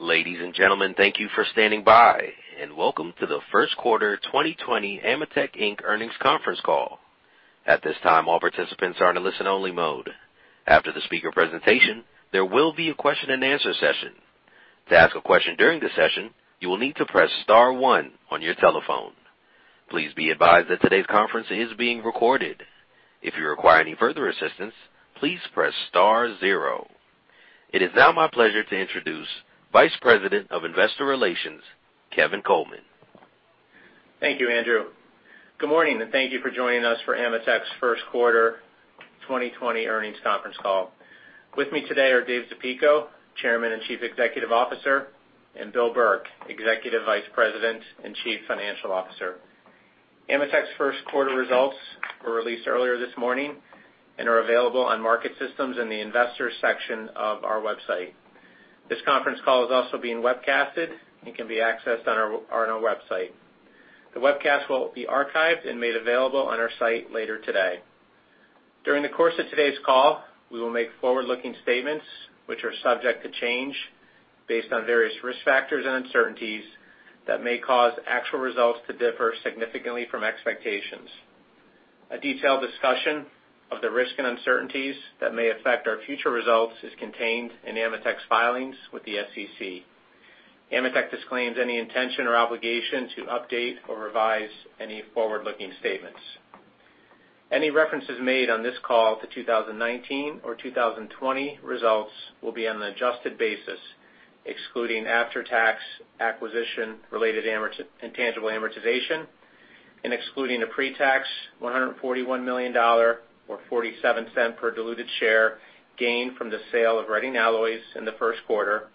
Ladies and gentlemen, thank you for standing by, and welcome to the first quarter 2020 AMETEK, Inc. earnings conference call. At this time, all participants are in a listen-only mode. After the speaker presentation, there will be a question-and-answer session. To ask a question during the session, you will need to press star one on your telephone. Please be advised that today's conference is being recorded. If you require any further assistance, please press star zero. It is now my pleasure to introduce Vice President of Investor Relations, Kevin Coleman. Thank you, Andrew. Good morning, and thank you for joining us for AMETEK's first quarter 2020 earnings conference call. With me today are David A. Zapico, Chairman and Chief Executive Officer, and William J. Burke, Executive Vice President and Chief Financial Officer. AMETEK's first quarter results were released earlier this morning and are available on market systems in the investors section of our website. This conference call is also being webcasted and can be accessed on our website. The webcast will be archived and made available on our site later today. During the course of today's call, we will make forward-looking statements which are subject to change based on various risk factors and uncertainties that may cause actual results to differ significantly from expectations. A detailed discussion of the risk and uncertainties that may affect our future results is contained in AMETEK's filings with the SEC. AMETEK disclaims any intention or obligation to update or revise any forward-looking statements. Any references made on this call to 2019 or 2020 results will be on an adjusted basis, excluding after-tax acquisition-related intangible amortization, and excluding the pre-tax $141 million, or $0.47 per diluted share gained from the sale of Reading Alloys in the first quarter,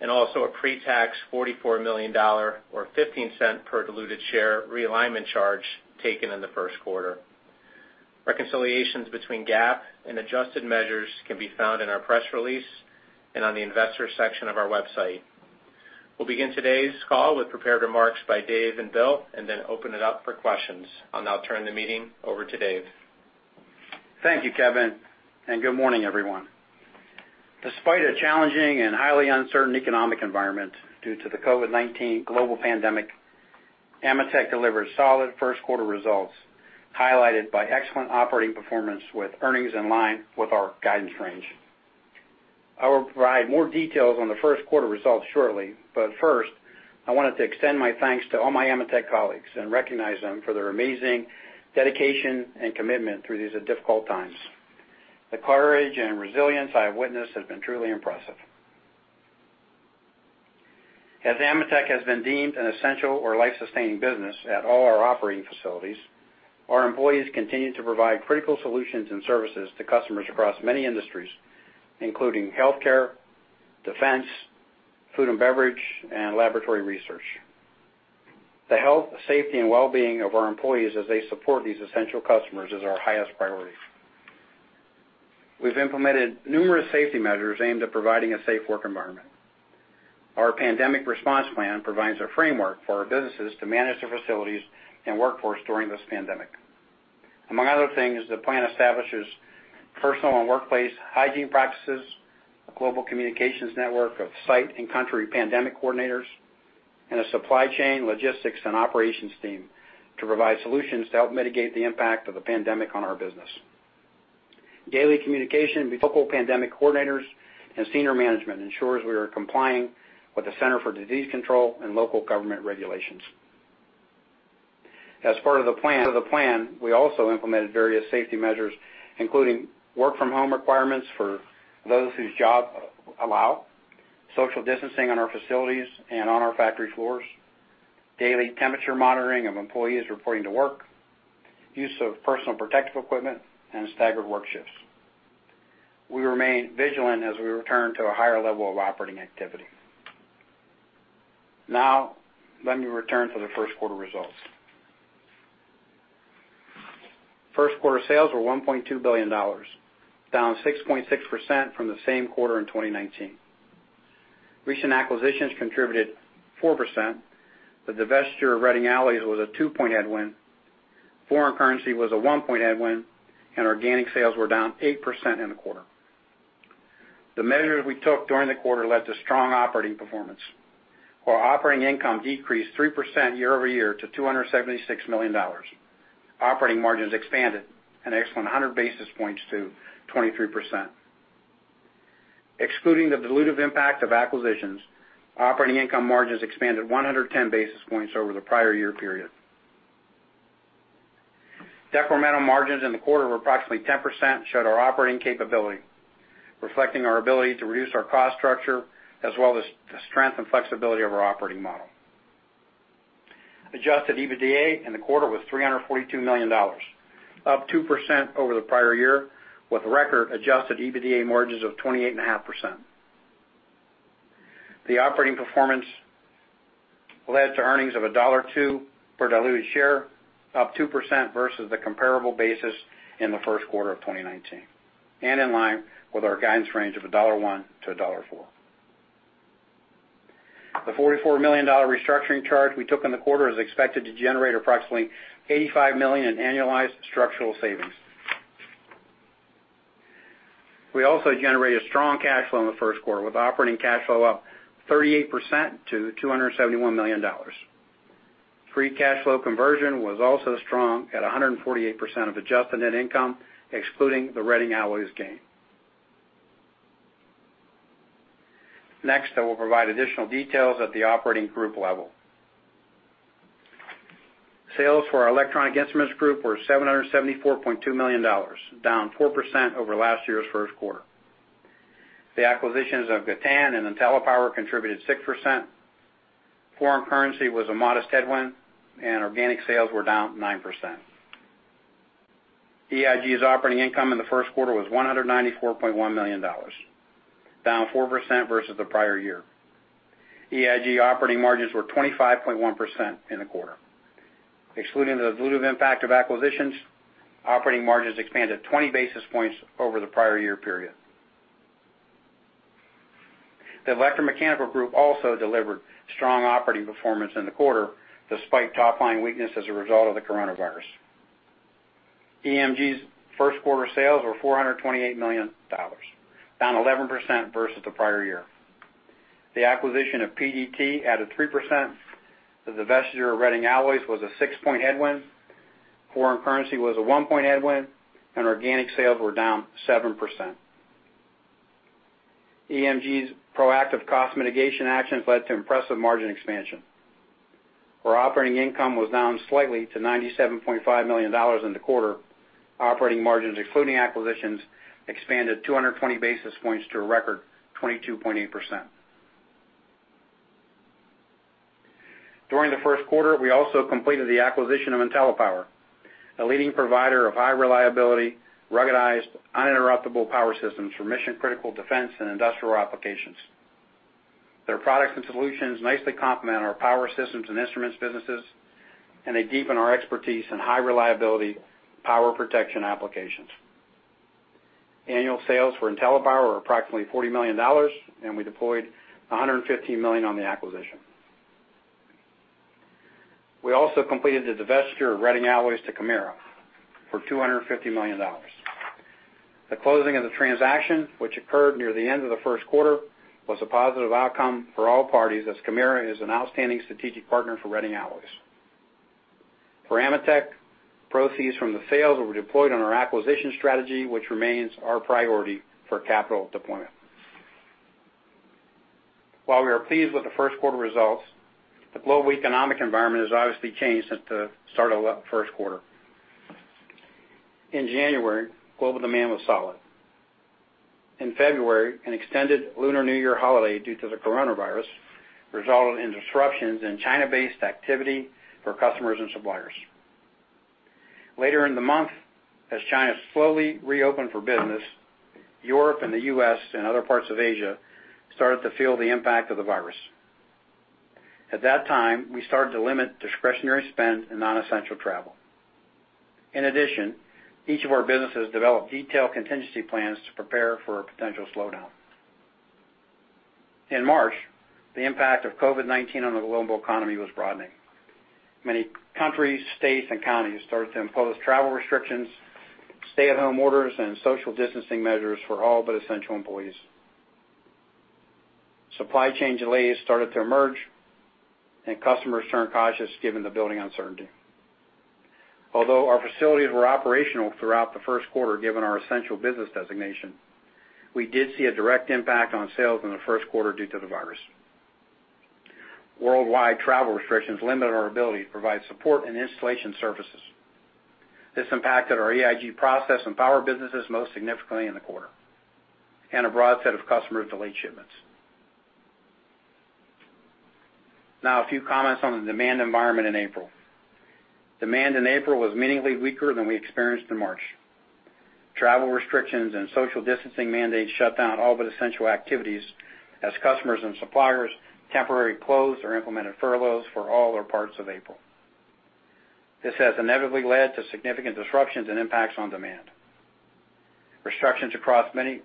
and also a pre-tax $44 million or $0.15 per diluted share realignment charge taken in the first quarter. Reconciliations between GAAP and adjusted measures can be found in our press release and on the investor section of our website. We'll begin today's call with prepared remarks by Dave and Bill, and then open it up for questions. I'll now turn the meeting over to Dave. Thank you, Kevin, and good morning, everyone. Despite a challenging and highly uncertain economic environment due to the COVID-19 global pandemic, AMETEK delivered solid first quarter results, highlighted by excellent operating performance with earnings in line with our guidance range. I will provide more details on the first quarter results shortly, but first, I wanted to extend my thanks to all my AMETEK colleagues and recognize them for their amazing dedication and commitment through these difficult times. The courage and resilience I have witnessed has been truly impressive. As AMETEK has been deemed an essential or life-sustaining business at all our operating facilities, our employees continue to provide critical solutions and services to customers across many industries, including healthcare, defense, food and beverage, and laboratory research. The health, safety, and well-being of our employees as they support these essential customers is our highest priority. We've implemented numerous safety measures aimed at providing a safe work environment. Our pandemic response plan provides a framework for our businesses to manage their facilities and workforce during this pandemic. Among other things, the plan establishes personal and workplace hygiene practices, a global communications network of site and country pandemic coordinators, and a supply chain logistics and operations team to provide solutions to help mitigate the impact of the pandemic on our business. Daily communication with local pandemic coordinators and senior management ensures we are complying with the Centers for Disease Control and local government regulations. As part of the plan, we also implemented various safety measures, including work from home requirements for those whose job allow, social distancing in our facilities and on our factory floors, daily temperature monitoring of employees reporting to work, use of personal protective equipment, and staggered work shifts. We remain vigilant as we return to a higher level of operating activity. Let me return to the first quarter results. First quarter sales were $1.2 billion, down 6.6% from the same quarter in 2019. Recent acquisitions contributed 4%, the divestiture of Reading Alloys was a 2 point headwind, foreign currency was a 1 point headwind, organic sales were down 8% in the quarter. The measures we took during the quarter led to strong operating performance, where operating income decreased 3% year-over-year to $276 million. Operating margins expanded an excellent 100 basis points to 23%. Excluding the dilutive impact of acquisitions, operating income margins expanded 110 basis points over the prior year period. Decremental margins in the quarter were approximately 10% showed our operating capability, reflecting our ability to reduce our cost structure as well as the strength and flexibility of our operating model. Adjusted EBITDA in the quarter was $342 million, up 2% over the prior year, with record adjusted EBITDA margins of 28.5%. The operating performance led to earnings of $1.2 per diluted share, up 2% versus the comparable basis in the first quarter of 2019, and in line with our guidance range of $1.1 to $1.4. The $44 million restructuring charge we took in the quarter is expected to generate approximately $85 million in annualized structural savings. We also generated strong cash flow in the first quarter, with operating cash flow up 38% to $271 million. Free cash flow conversion was also strong at 148% of adjusted net income, excluding the Reading Alloys gain. Next, I will provide additional details at the operating group level. Sales for our Electronic Instruments Group were $774.2 million, down 4% over last year's first quarter. The acquisitions of Gatan and IntelliPower contributed 6%. Foreign currency was a modest headwind, and organic sales were down 9%. EIG's operating income in the first quarter was $194.1 million, down 4% versus the prior year. EIG operating margins were 25.1% in the quarter. Excluding the dilutive impact of acquisitions, operating margins expanded 20 basis points over the prior year period. The Electromechanical Group also delivered strong operating performance in the quarter, despite top-line weakness as a result of the coronavirus. EMG's first quarter sales were $428 million, down 11% versus the prior year. The acquisition of PDT added 3%. The divestiture of Reading Alloys was a six-point headwind. Foreign currency was a one-point headwind, and organic sales were down 7%. EMG's proactive cost mitigation actions led to impressive margin expansion, where operating income was down slightly to $97.5 million in the quarter. Operating margins, excluding acquisitions, expanded 220 basis points to a record 22.8%. During the first quarter, we also completed the acquisition of IntelliPower, a leading provider of high-reliability, ruggedized, uninterruptible power systems for mission-critical defense and industrial applications. Their products and solutions nicely complement our power systems and instruments businesses. They deepen our expertise in high-reliability power protection applications. Annual sales for IntelliPower are approximately $40 million. We deployed $115 million on the acquisition. We also completed the divestiture of Reading Alloys to Kymera for $250 million. The closing of the transaction, which occurred near the end of the first quarter, was a positive outcome for all parties as Kymera is an outstanding strategic partner for Reading Alloys. For AMETEK, proceeds from the sale were deployed on our acquisition strategy, which remains our priority for capital deployment. While we are pleased with the first quarter results, the global economic environment has obviously changed since the start of that first quarter. In January, global demand was solid. In February, an extended Lunar New Year holiday due to the coronavirus resulted in disruptions in China-based activity for customers and suppliers. Later in the month, as China slowly reopened for business, Europe and the U.S., and other parts of Asia, started to feel the impact of the virus. At that time, we started to limit discretionary spend and non-essential travel. In addition, each of our businesses developed detailed contingency plans to prepare for a potential slowdown. In March, the impact of COVID-19 on the global economy was broadening. Many countries, states, and counties started to impose travel restrictions, stay-at-home orders, and social distancing measures for all but essential employees. Supply chain delays started to emerge, and customers turned cautious given the building uncertainty. Although our facilities were operational throughout the first quarter, given our essential business designation, we did see a direct impact on sales in the first quarter due to the virus. Worldwide travel restrictions limited our ability to provide support and installation services. This impacted our EIG process and power businesses most significantly in the quarter, and a broad set of customers delayed shipments. A few comments on the demand environment in April. Demand in April was meaningfully weaker than we experienced in March. Travel restrictions and social distancing mandates shut down all but essential activities as customers and suppliers temporarily closed or implemented furloughs for all or parts of April. This has inevitably led to significant disruptions and impacts on demand. Restrictions across many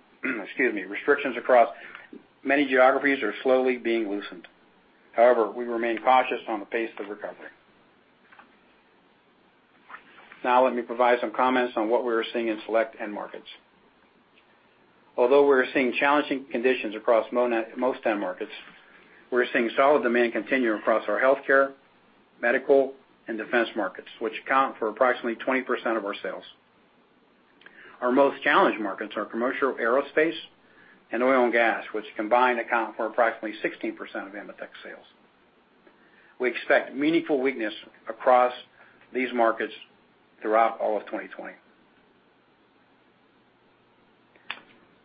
geographies are slowly being loosened. We remain cautious on the pace of recovery. Now let me provide some comments on what we are seeing in select end markets. Although we're seeing challenging conditions across most end markets, we're seeing solid demand continue across our healthcare, medical, and defense markets, which account for approximately 20% of our sales. Our most challenged markets are commercial aerospace and oil and gas, which combined account for approximately 16% of AMETEK sales. We expect meaningful weakness across these markets throughout all of 2020.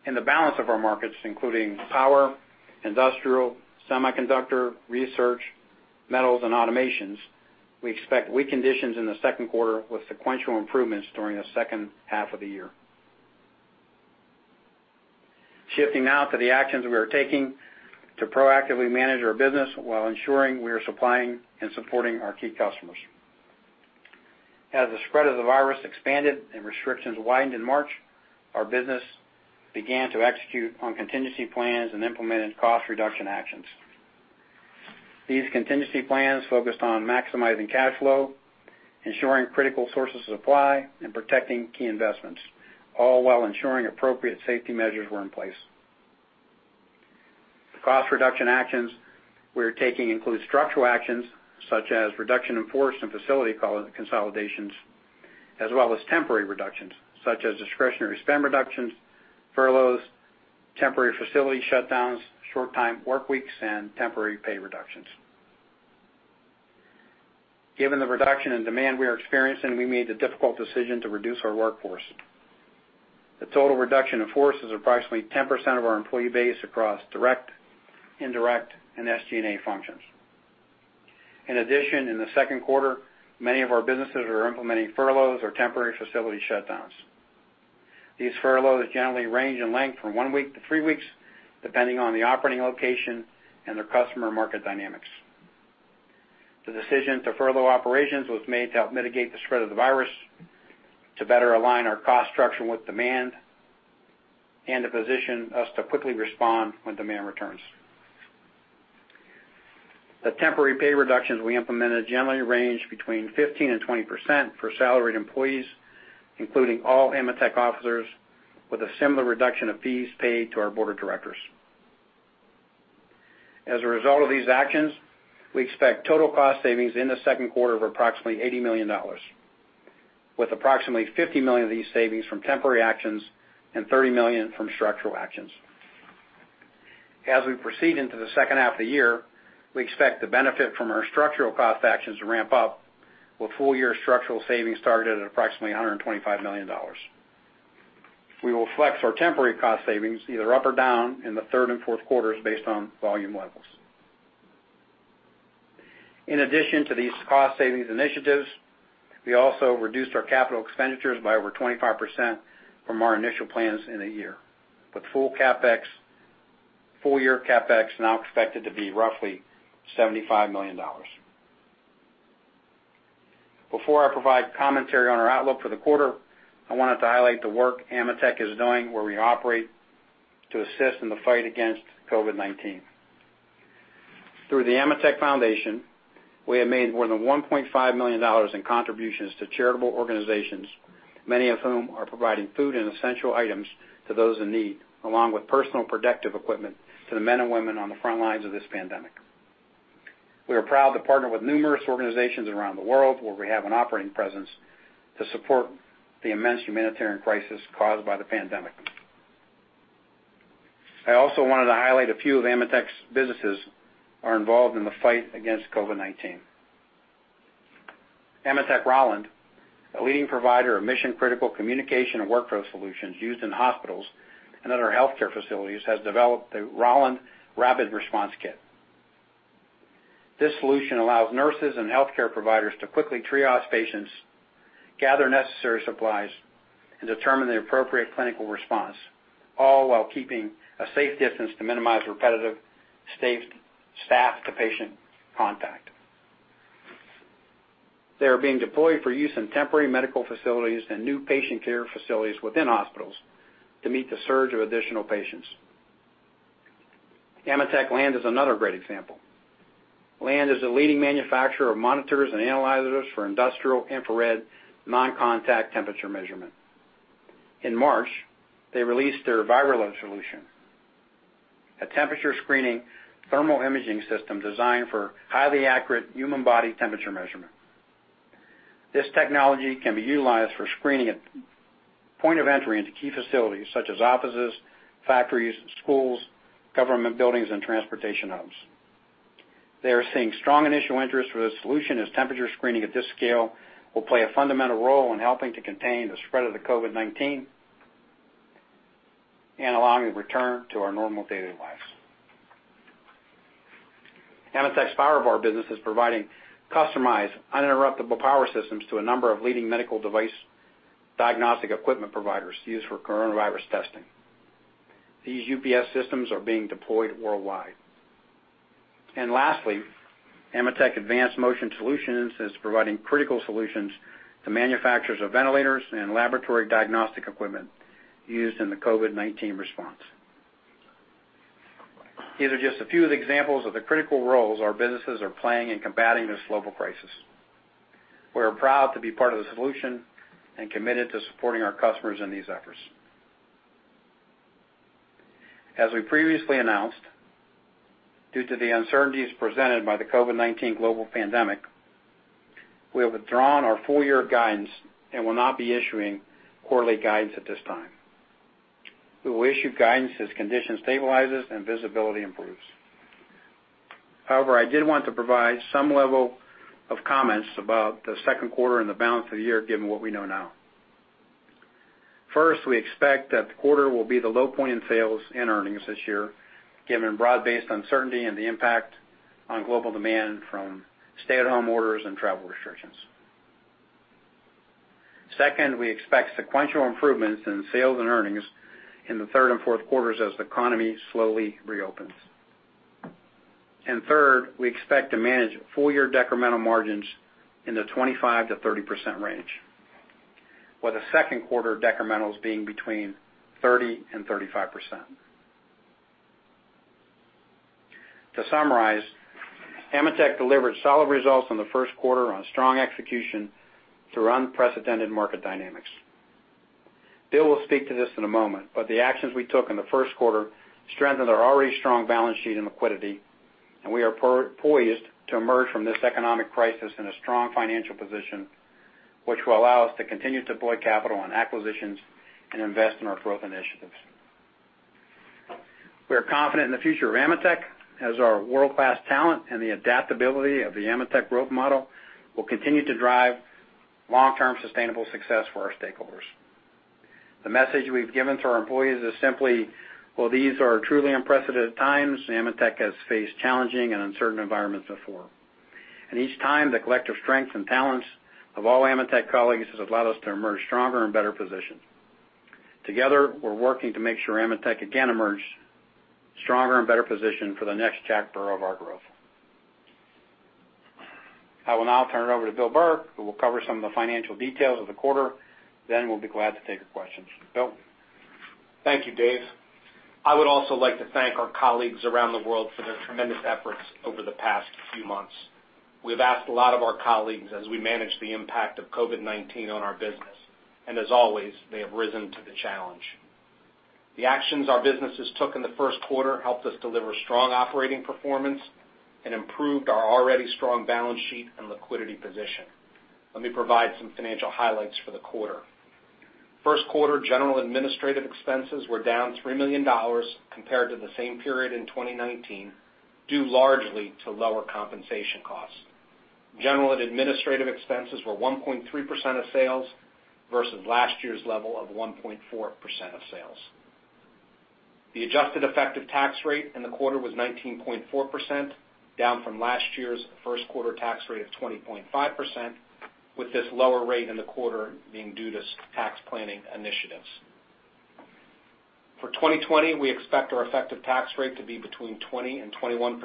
In the balance of our markets, including power, industrial, semiconductor, research, metals, and automations, we expect weak conditions in the second quarter with sequential improvements during the second half of the year. Shifting now to the actions we are taking to proactively manage our business while ensuring we are supplying and supporting our key customers. As the spread of the virus expanded and restrictions widened in March, our business began to execute on contingency plans and implemented cost reduction actions. These contingency plans focused on maximizing cash flow, ensuring critical sources of supply, and protecting key investments, all while ensuring appropriate safety measures were in place. The cost reduction actions we're taking include structural actions such as reduction in force and facility consolidations, as well as temporary reductions such as discretionary spend reductions, furloughs, temporary facility shutdowns, short-time workweeks, and temporary pay reductions. Given the reduction in demand we are experiencing, we made the difficult decision to reduce our workforce. The total reduction in force is approximately 10% of our employee base across direct, indirect, and SG&A functions. In addition, in the second quarter, many of our businesses are implementing furloughs or temporary facility shutdowns. These furloughs generally range in length from one week to three weeks, depending on the operating location and their customer market dynamics. The decision to furlough operations was made to help mitigate the spread of the virus, to better align our cost structure with demand, and to position us to quickly respond when demand returns. The temporary pay reductions we implemented generally range between 15% and 20% for salaried employees, including all AMETEK officers, with a similar reduction of fees paid to our board of directors. As a result of these actions, we expect total cost savings in the second quarter of approximately $80 million, with approximately $50 million of these savings from temporary actions and $30 million from structural actions. As we proceed into the second half of the year, we expect the benefit from our structural cost actions to ramp up, with full-year structural savings targeted at approximately $125 million. We will flex our temporary cost savings either up or down in the third and fourth quarters based on volume levels. In addition to these cost savings initiatives, we also reduced our capital expenditures by over 25% from our initial plans in the year, with full-year CapEx now expected to be roughly $75 million. Before I provide commentary on our outlook for the quarter, I wanted to highlight the work AMETEK is doing where we operate to assist in the fight against COVID-19. Through the AMETEK Foundation, we have made more than $1.5 million in contributions to charitable organizations, many of whom are providing food and essential items to those in need, along with personal protective equipment to the men and women on the front lines of this pandemic. We are proud to partner with numerous organizations around the world where we have an operating presence to support the immense humanitarian crisis caused by the pandemic. I also wanted to highlight a few of AMETEK's businesses are involved in the fight against COVID-19. AMETEK Rauland, a leading provider of mission-critical communication and workflow solutions used in hospitals and other healthcare facilities, has developed the Rauland Rapid Response Kit. This solution allows nurses and healthcare providers to quickly triage patients, gather necessary supplies, and determine the appropriate clinical response, all while keeping a safe distance to minimize repetitive staff-to-patient contact. They are being deployed for use in temporary medical facilities and new patient care facilities within hospitals to meet the surge of additional patients. AMETEK Land is another great example. Land is a leading manufacturer of monitors and analyzers for industrial infrared non-contact temperature measurement. In March, they released their VIRALERT solution, a temperature screening thermal imaging system designed for highly accurate human body temperature measurement. This technology can be utilized for screening at point of entry into key facilities such as offices, factories, schools, government buildings, and transportation hubs. They are seeing strong initial interest for this solution, as temperature screening at this scale will play a fundamental role in helping to contain the spread of the COVID-19 and allowing a return to our normal daily lives. AMETEK's Powervar business is providing customized, uninterruptible power systems to a number of leading medical device diagnostic equipment providers used for coronavirus testing. These UPS systems are being deployed worldwide. Lastly, AMETEK Advanced Motion Solutions is providing critical solutions to manufacturers of ventilators and laboratory diagnostic equipment used in the COVID-19 response. These are just a few of the examples of the critical roles our businesses are playing in combating this global crisis. We are proud to be part of the solution and committed to supporting our customers in these efforts. As we previously announced, due to the uncertainties presented by the COVID-19 global pandemic, we have withdrawn our full-year guidance and will not be issuing quarterly guidance at this time. We will issue guidance as conditions stabilizes and visibility improves. However, I did want to provide some level of comments about the second quarter and the balance of the year given what we know now. First, we expect that the quarter will be the low point in sales and earnings this year, given broad-based uncertainty and the impact on global demand from stay-at-home orders and travel restrictions. Second, we expect sequential improvements in sales and earnings in the third and fourth quarters as the economy slowly reopens. Third, we expect to manage full-year decremental margins in the 25%-30% range, with the second quarter decrementals being between 30% and 35%. To summarize, AMETEK delivered solid results from the first quarter on strong execution through unprecedented market dynamics. Bill will speak to this in a moment, but the actions we took in the first quarter strengthened our already strong balance sheet and liquidity. We are poised to emerge from this economic crisis in a strong financial position, which will allow us to continue to deploy capital on acquisitions and invest in our growth initiatives. We are confident in the future of AMETEK as our world-class talent and the adaptability of the AMETEK growth model will continue to drive long-term sustainable success for our stakeholders. The message we've given to our employees is simply, while these are truly unprecedented times, AMETEK has faced challenging and uncertain environments before. Each time, the collective strength and talents of all AMETEK colleagues has allowed us to emerge stronger and better positioned. Together, we're working to make sure AMETEK again emerges stronger and better positioned for the next chapter of our growth. I will now turn it over to Bill Burke, who will cover some of the financial details of the quarter, then we'll be glad to take your questions. Bill? Thank you, Dave. I would also like to thank our colleagues around the world for their tremendous efforts over the past few months. We've asked a lot of our colleagues as we manage the impact of COVID-19 on our business, and as always, they have risen to the challenge. The actions our businesses took in the first quarter helped us deliver strong operating performance and improved our already strong balance sheet and liquidity position. Let me provide some financial highlights for the quarter. First quarter general administrative expenses were down $3 million compared to the same period in 2019, due largely to lower compensation costs. General and administrative expenses were 1.3% of sales, versus last year's level of 1.4% of sales. The adjusted effective tax rate in the quarter was 19.4%, down from last year's first quarter tax rate of 20.5%, with this lower rate in the quarter being due to tax planning initiatives. For 2020, we expect our effective tax rate to be between 20% and 21%.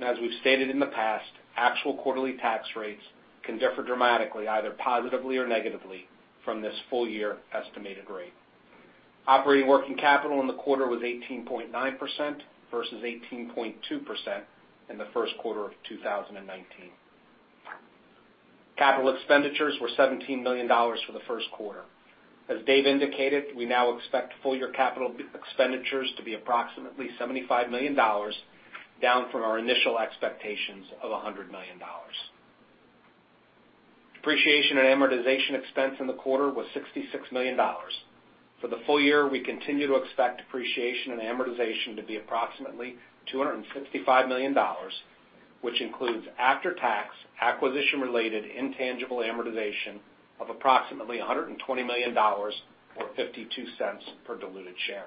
As we've stated in the past, actual quarterly tax rates can differ dramatically, either positively or negatively, from this full year estimated rate. Operating working capital in the quarter was 18.9% versus 18.2% in the first quarter of 2019. Capital expenditures were $17 million for the first quarter. As Dave indicated, we now expect full year capital expenditures to be approximately $75 million, down from our initial expectations of $100 million. Depreciation and amortization expense in the quarter was $66 million. For the full year, we continue to expect depreciation and amortization to be approximately $265 million, which includes after-tax acquisition-related intangible amortization of approximately $120 million, or $0.52 per diluted share.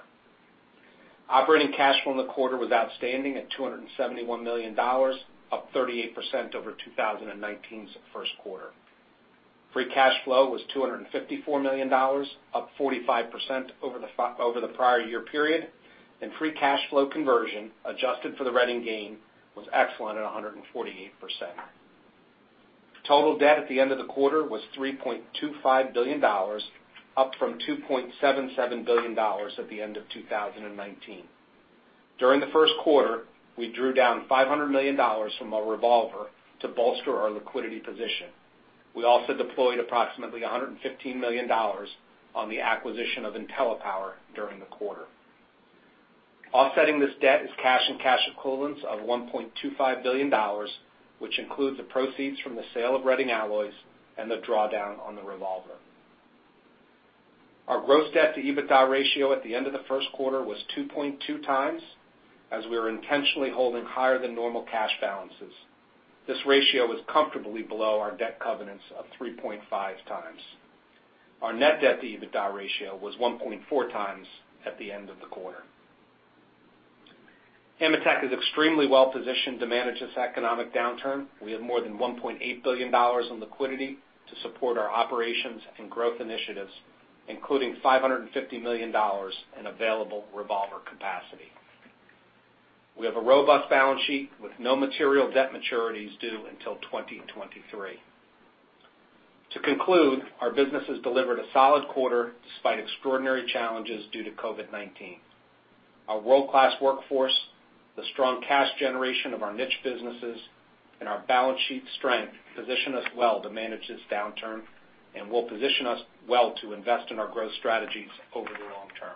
Operating cash flow in the quarter was outstanding at $271 million, up 38% over 2019's first quarter. Free cash flow was $254 million, up 45% over the prior year period. Free cash flow conversion, adjusted for the Reading gain, was excellent at 148%. Total debt at the end of the quarter was $3.25 billion, up from $2.77 billion at the end of 2019. During the first quarter, we drew down $500 million from our revolver to bolster our liquidity position. We also deployed approximately $115 million on the acquisition of IntelliPower during the quarter. Offsetting this debt is cash and cash equivalents of $1.25 billion, which includes the proceeds from the sale of Reading Alloys and the drawdown on the revolver. Our gross debt-to-EBITDA ratio at the end of the first quarter was 2.2x, as we are intentionally holding higher than normal cash balances. This ratio is comfortably below our debt covenants of 3.5x. Our net debt-to-EBITDA ratio was 1.4x at the end of the quarter. AMETEK is extremely well-positioned to manage this economic downturn. We have more than $1.8 billion in liquidity to support our operations and growth initiatives, including $550 million in available revolver capacity. We have a robust balance sheet with no material debt maturities due until 2023. To conclude, our business has delivered a solid quarter despite extraordinary challenges due to COVID-19. Our world-class workforce, the strong cash generation of our niche businesses, and our balance sheet strength position us well to manage this downturn and will position us well to invest in our growth strategies over the long term.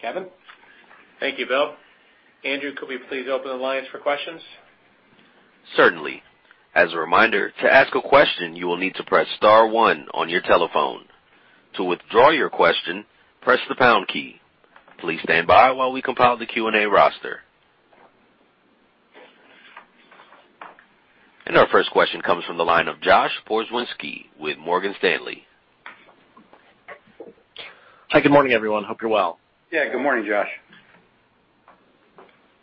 Kevin? Thank you, Bill. Andrew, could we please open the lines for questions? Certainly. As a reminder, to ask a question, you will need to press star one on your telephone. To withdraw your question, press the pound key. Please stand by while we compile the Q&A roster. Our first question comes from the line of Josh Pokrzywinski with Morgan Stanley. Hi. Good morning, everyone. Hope you're well. Yeah. Good morning, Josh.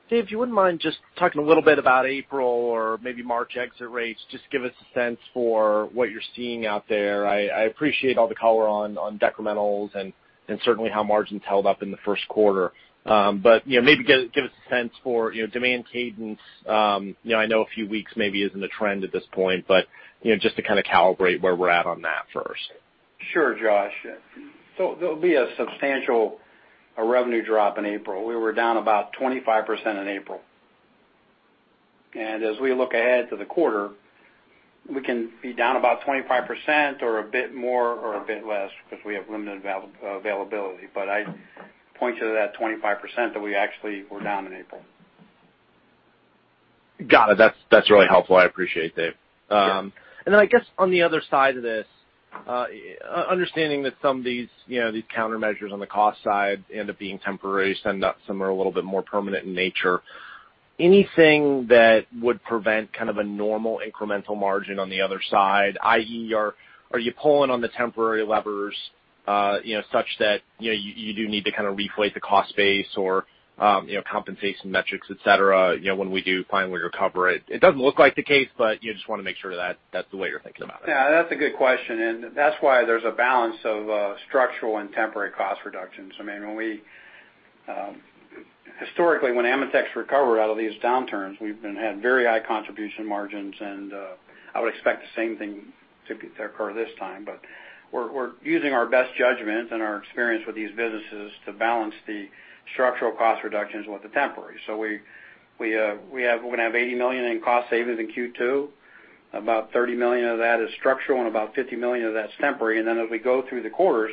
Dave, if you wouldn't mind just talking a little bit about April or maybe March exit rates, just give us a sense for what you're seeing out there. I appreciate all the color on decrementals and certainly how margins held up in the first quarter. Maybe give us a sense for demand cadence. I know a few weeks maybe isn't a trend at this point, but just to kind of calibrate where we're at on that first. Sure, Josh. Yeah. There'll be a substantial revenue drop in April. We were down about 25% in April. As we look ahead to the quarter, we can be down about 25% or a bit more or a bit less because we have limited availability. I point you to that 25% that we actually were down in April. Got it. That's really helpful. I appreciate it, Dave. Yeah. I guess on the other side of this, understanding that some of these countermeasures on the cost side end up being temporary, some are a little bit more permanent in nature. Anything that would prevent kind of a normal incremental margin on the other side, i.e., are you pulling on the temporary levers such that you do need to kind of reflate the cost base or compensation metrics, et cetera, when we do finally recover it? It doesn't look like the case, but you just want to make sure that's the way you're thinking about it. Yeah, that's a good question. That's why there's a balance of structural and temporary cost reductions. Historically, when AMETEK's recovered out of these downturns, we've had very high contribution margins, and I would expect the same thing to occur this time. We're using our best judgment and our experience with these businesses to balance the structural cost reductions with the temporary. We're going to have $80 million in cost savings in Q2. About $30 million of that is structural, and about $50 million of that is temporary. As we go through the quarters,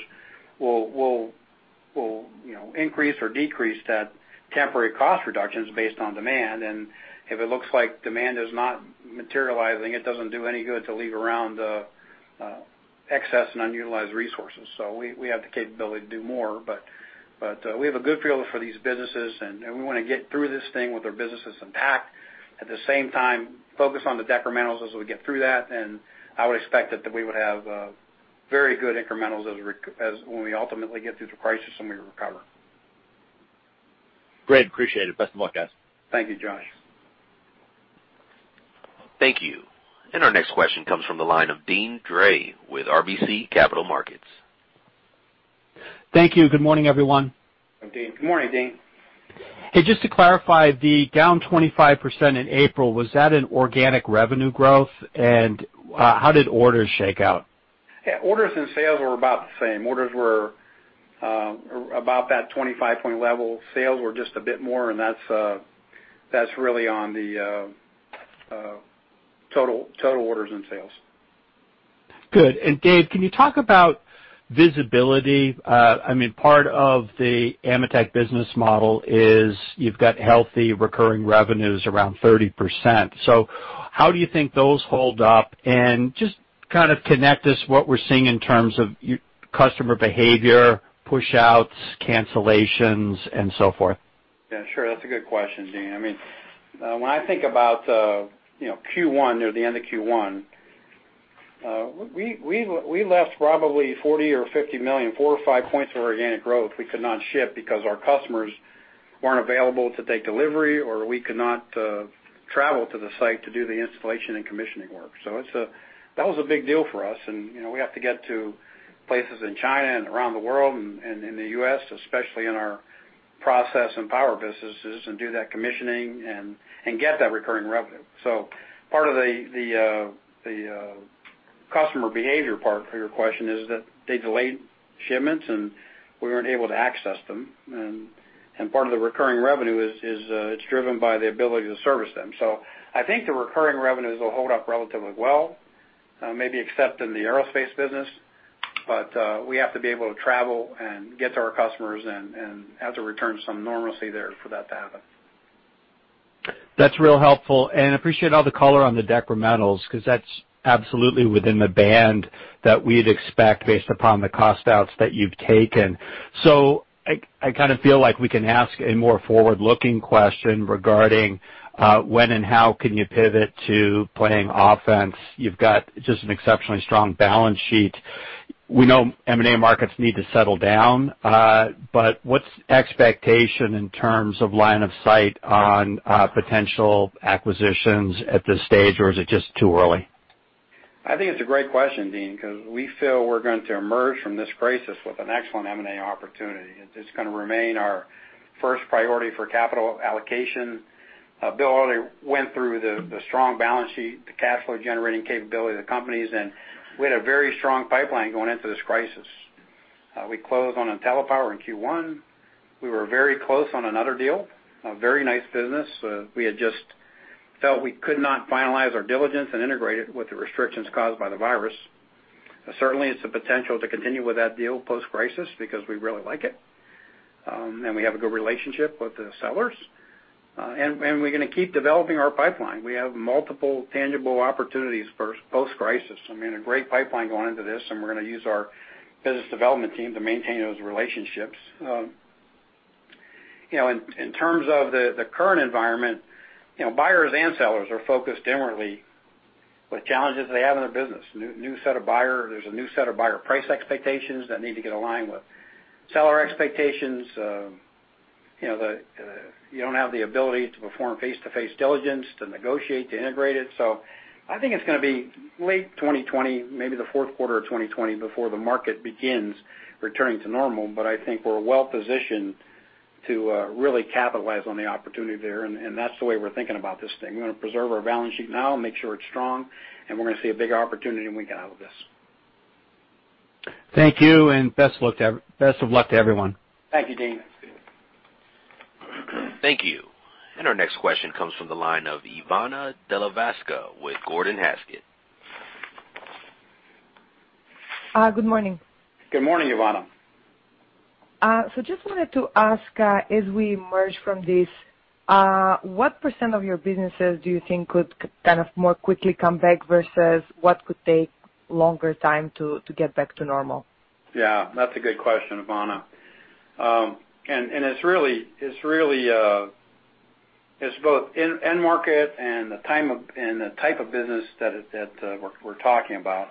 we'll increase or decrease that temporary cost reductions based on demand. If it looks like demand is not materializing, it doesn't do any good to leave around excess and unutilized resources. We have the capability to do more, but we have a good feel for these businesses, and we want to get through this thing with our businesses intact. At the same time, focus on the decrementals as we get through that, and I would expect that we would have very good incrementals when we ultimately get through the crisis and we recover. Great. Appreciate it. Best of luck, guys. Thank you, Josh. Thank you. Our next question comes from the line of Deane Dray with RBC Capital Markets. Thank you. Good morning, everyone. Hi, Deane. Good morning, Deane. Hey, just to clarify, the down 25% in April, was that in organic revenue growth? How did orders shake out? Yeah. Orders and sales were about the same. Orders were about that 25-point level. Sales were just a bit more, and that's really on the total orders and sales. Good. Dave, can you talk about visibility? Part of the AMETEK business model is you've got healthy recurring revenues around 30%. How do you think those hold up? Just kind of connect us what we're seeing in terms of customer behavior, push-outs, cancellations, and so forth. Yeah, sure. That's a good question, Deane. When I think about Q1, near the end of Q1, we left probably $40 million or $50 million, four or five points of organic growth we could not ship because our customers weren't available to take delivery, or we could not travel to the site to do the installation and commissioning work. That was a big deal for us, and we have to get to places in China and around the world and in the U.S., especially in our process and power businesses, and do that commissioning and get that recurring revenue. Part of the customer behavior part for your question is that they delayed shipments, and we weren't able to access them. Part of the recurring revenue is it's driven by the ability to service them. I think the recurring revenues will hold up relatively well, maybe except in the aerospace business. We have to be able to travel and get to our customers and have to return some normalcy there for that to happen. That's real helpful, and appreciate all the color on the decrementals because that's absolutely within the band that we'd expect based upon the cost outs that you've taken. I kind of feel like we can ask a more forward-looking question regarding when and how can you pivot to playing offense. You've got just an exceptionally strong balance sheet. We know M&A markets need to settle down. What's the expectation in terms of line of sight on potential acquisitions at this stage, or is it just too early? I think it's a great question, Deane, because we feel we're going to emerge from this crisis with an excellent M&A opportunity. It's going to remain our first priority for capital allocation. Bill already went through the strong balance sheet, the cash flow generating capability of the companies, and we had a very strong pipeline going into this crisis. We closed on IntelliPower in Q1. We were very close on another deal, a very nice business. We had just felt we could not finalize our diligence and integrate it with the restrictions caused by the virus. Certainly, it's a potential to continue with that deal post-crisis because we really like it, and we have a good relationship with the sellers. We're going to keep developing our pipeline. We have multiple tangible opportunities post-crisis. A great pipeline going into this, and we're going to use our business development team to maintain those relationships. In terms of the current environment, buyers and sellers are focused differently with challenges they have in their business. There's a new set of buyer price expectations that need to get aligned with seller expectations. You don't have the ability to perform face-to-face diligence, to negotiate, to integrate it. I think it's going to be late 2020, maybe the fourth quarter of 2020 before the market begins returning to normal. I think we're well positioned to really capitalize on the opportunity there, and that's the way we're thinking about this thing. We're going to preserve our balance sheet now and make sure it's strong, and we're going to see a big opportunity when we get out of this. Thank you, and best of luck to everyone. Thank you, Deane. Thank you. Our next question comes from the line of Ivana Delevska with Gordon Haskett. Good morning. Good morning, Ivana. Just wanted to ask, as we emerge from this, what % of your businesses do you think could kind of more quickly come back versus what could take longer time to get back to normal? Yeah, that's a good question, Ivana. It's both end market and the type of business that we're talking about.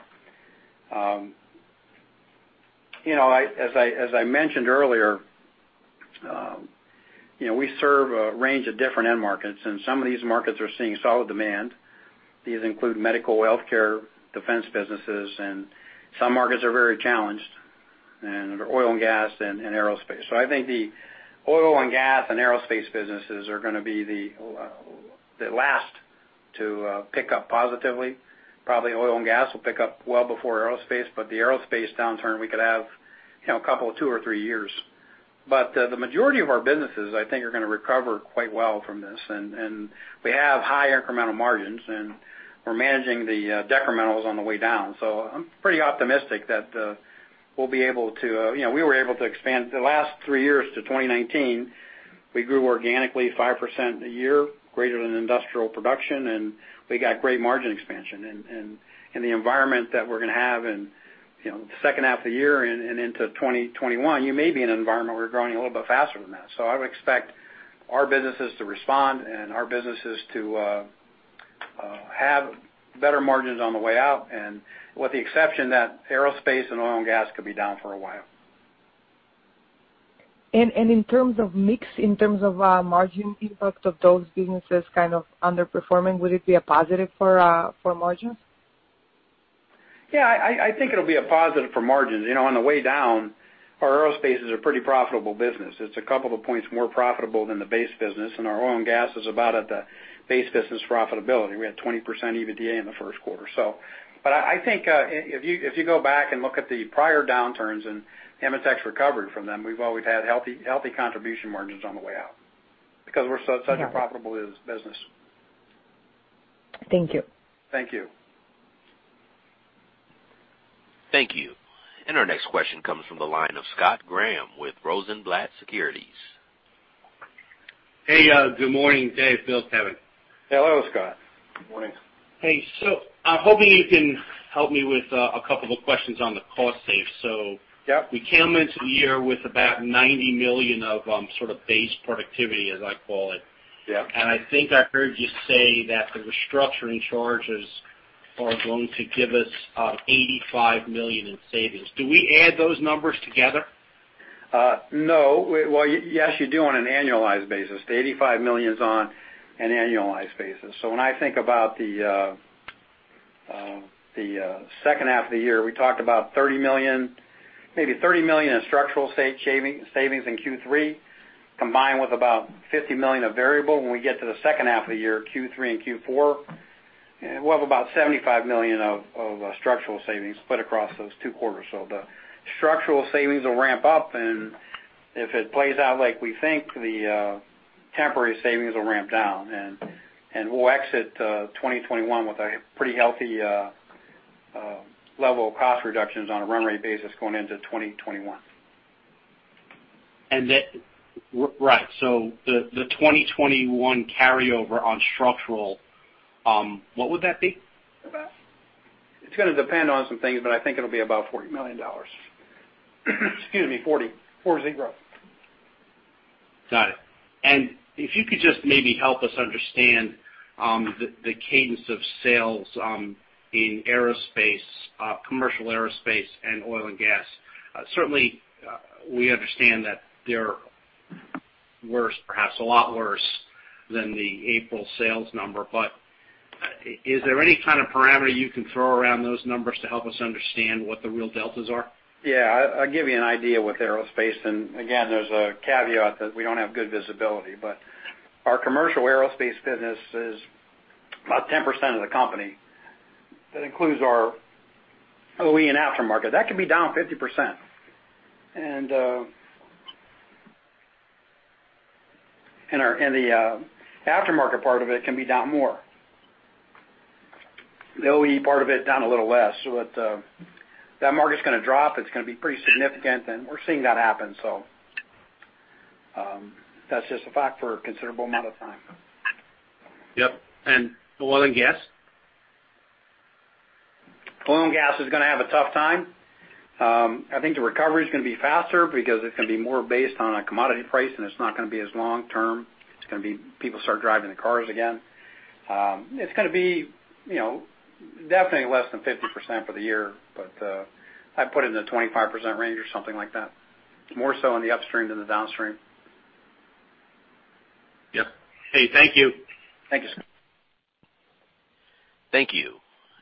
As I mentioned earlier, we serve a range of different end markets, and some of these markets are seeing solid demand. These include medical, healthcare, defense businesses, and some markets are very challenged, and oil and gas, and aerospace. I think the oil and gas and aerospace businesses are going to be the last to pick up positively. Probably oil and gas will pick up well before aerospace, but the aerospace downturn, we could have a couple of two or three years. The majority of our businesses, I think, are going to recover quite well from this. We have high incremental margins, and we're managing the decrementals on the way down. I'm pretty optimistic that we were able to expand the last three years to 2019. We grew organically 5% a year greater than industrial production, and we got great margin expansion. The environment that we're going to have in the second half of the year and into 2021, you may be in an environment where we're growing a little bit faster than that. I would expect our businesses to respond and our businesses to have better margins on the way out, and with the exception that aerospace and oil and gas could be down for a while. In terms of mix, in terms of margin impact of those businesses kind of underperforming, would it be a positive for margins? Yeah, I think it'll be a positive for margins. On the way down, our aerospace is a pretty profitable business. It's a couple of points more profitable than the base business, and our oil and gas is about at the base business profitability. We had 20% EBITDA in the first quarter. I think if you go back and look at the prior downturns and AMETEK's recovery from them, we've always had healthy contribution margins on the way out because we're such a profitable business. Thank you. Thank you. Thank you. Our next question comes from the line of Scott Graham with Rosenblatt Securities. Hey, good morning. Dave, Bill and Kevin. Hello, Scott. Good morning. Hey, I'm hoping you can help me with a couple of questions on the cost save. Yep. We came into the year with about $90 million of sort of base productivity, as I call it. Yep. I think I heard you say that the restructuring charges are going to give us $85 million in savings. Do we add those numbers together? No. Well, yes, you do on an annualized basis. The $85 million's on an annualized basis. When I think about the second half of the year, we talked about $30 million, maybe $30 million in structural savings in Q3, combined with about $50 million of variable. When we get to the second half of the year, Q3 and Q4, we'll have about $75 million of structural savings split across those two quarters. The structural savings will ramp up, and if it plays out like we think, the temporary savings will ramp down, and we'll exit 2021 with a pretty healthy level of cost reductions on a run rate basis going into 2021. The 2021 carryover on structural, what would that be? It's going to depend on some things, but I think it'll be about $40 million. Excuse me, 40. Four zero. Got it. If you could just maybe help us understand the cadence of sales in commercial aerospace and oil and gas. Certainly, we understand that they're worse, perhaps a lot worse than the April sales number. Is there any kind of parameter you can throw around those numbers to help us understand what the real deltas are? Yeah. I'll give you an idea with aerospace. Again, there's a caveat that we don't have good visibility, but our commercial aerospace business is about 10% of the company. That includes our OE and aftermarket. That could be down 50%. The aftermarket part of it can be down more. The OE part of it, down a little less. That market's going to drop. It's going to be pretty significant, and we're seeing that happen, so that's just a fact for a considerable amount of time. Yep. Oil and gas? Oil and gas is going to have a tough time. I think the recovery's going to be faster because it's going to be more based on a commodity price, and it's not going to be as long-term. It's going to be people start driving the cars again. It's going to be definitely less than 50% for the year, but I'd put it in the 25% range or something like that, more so on the upstream than the downstream. Yep. Okay, thank you. Thank you, sir. Thank you.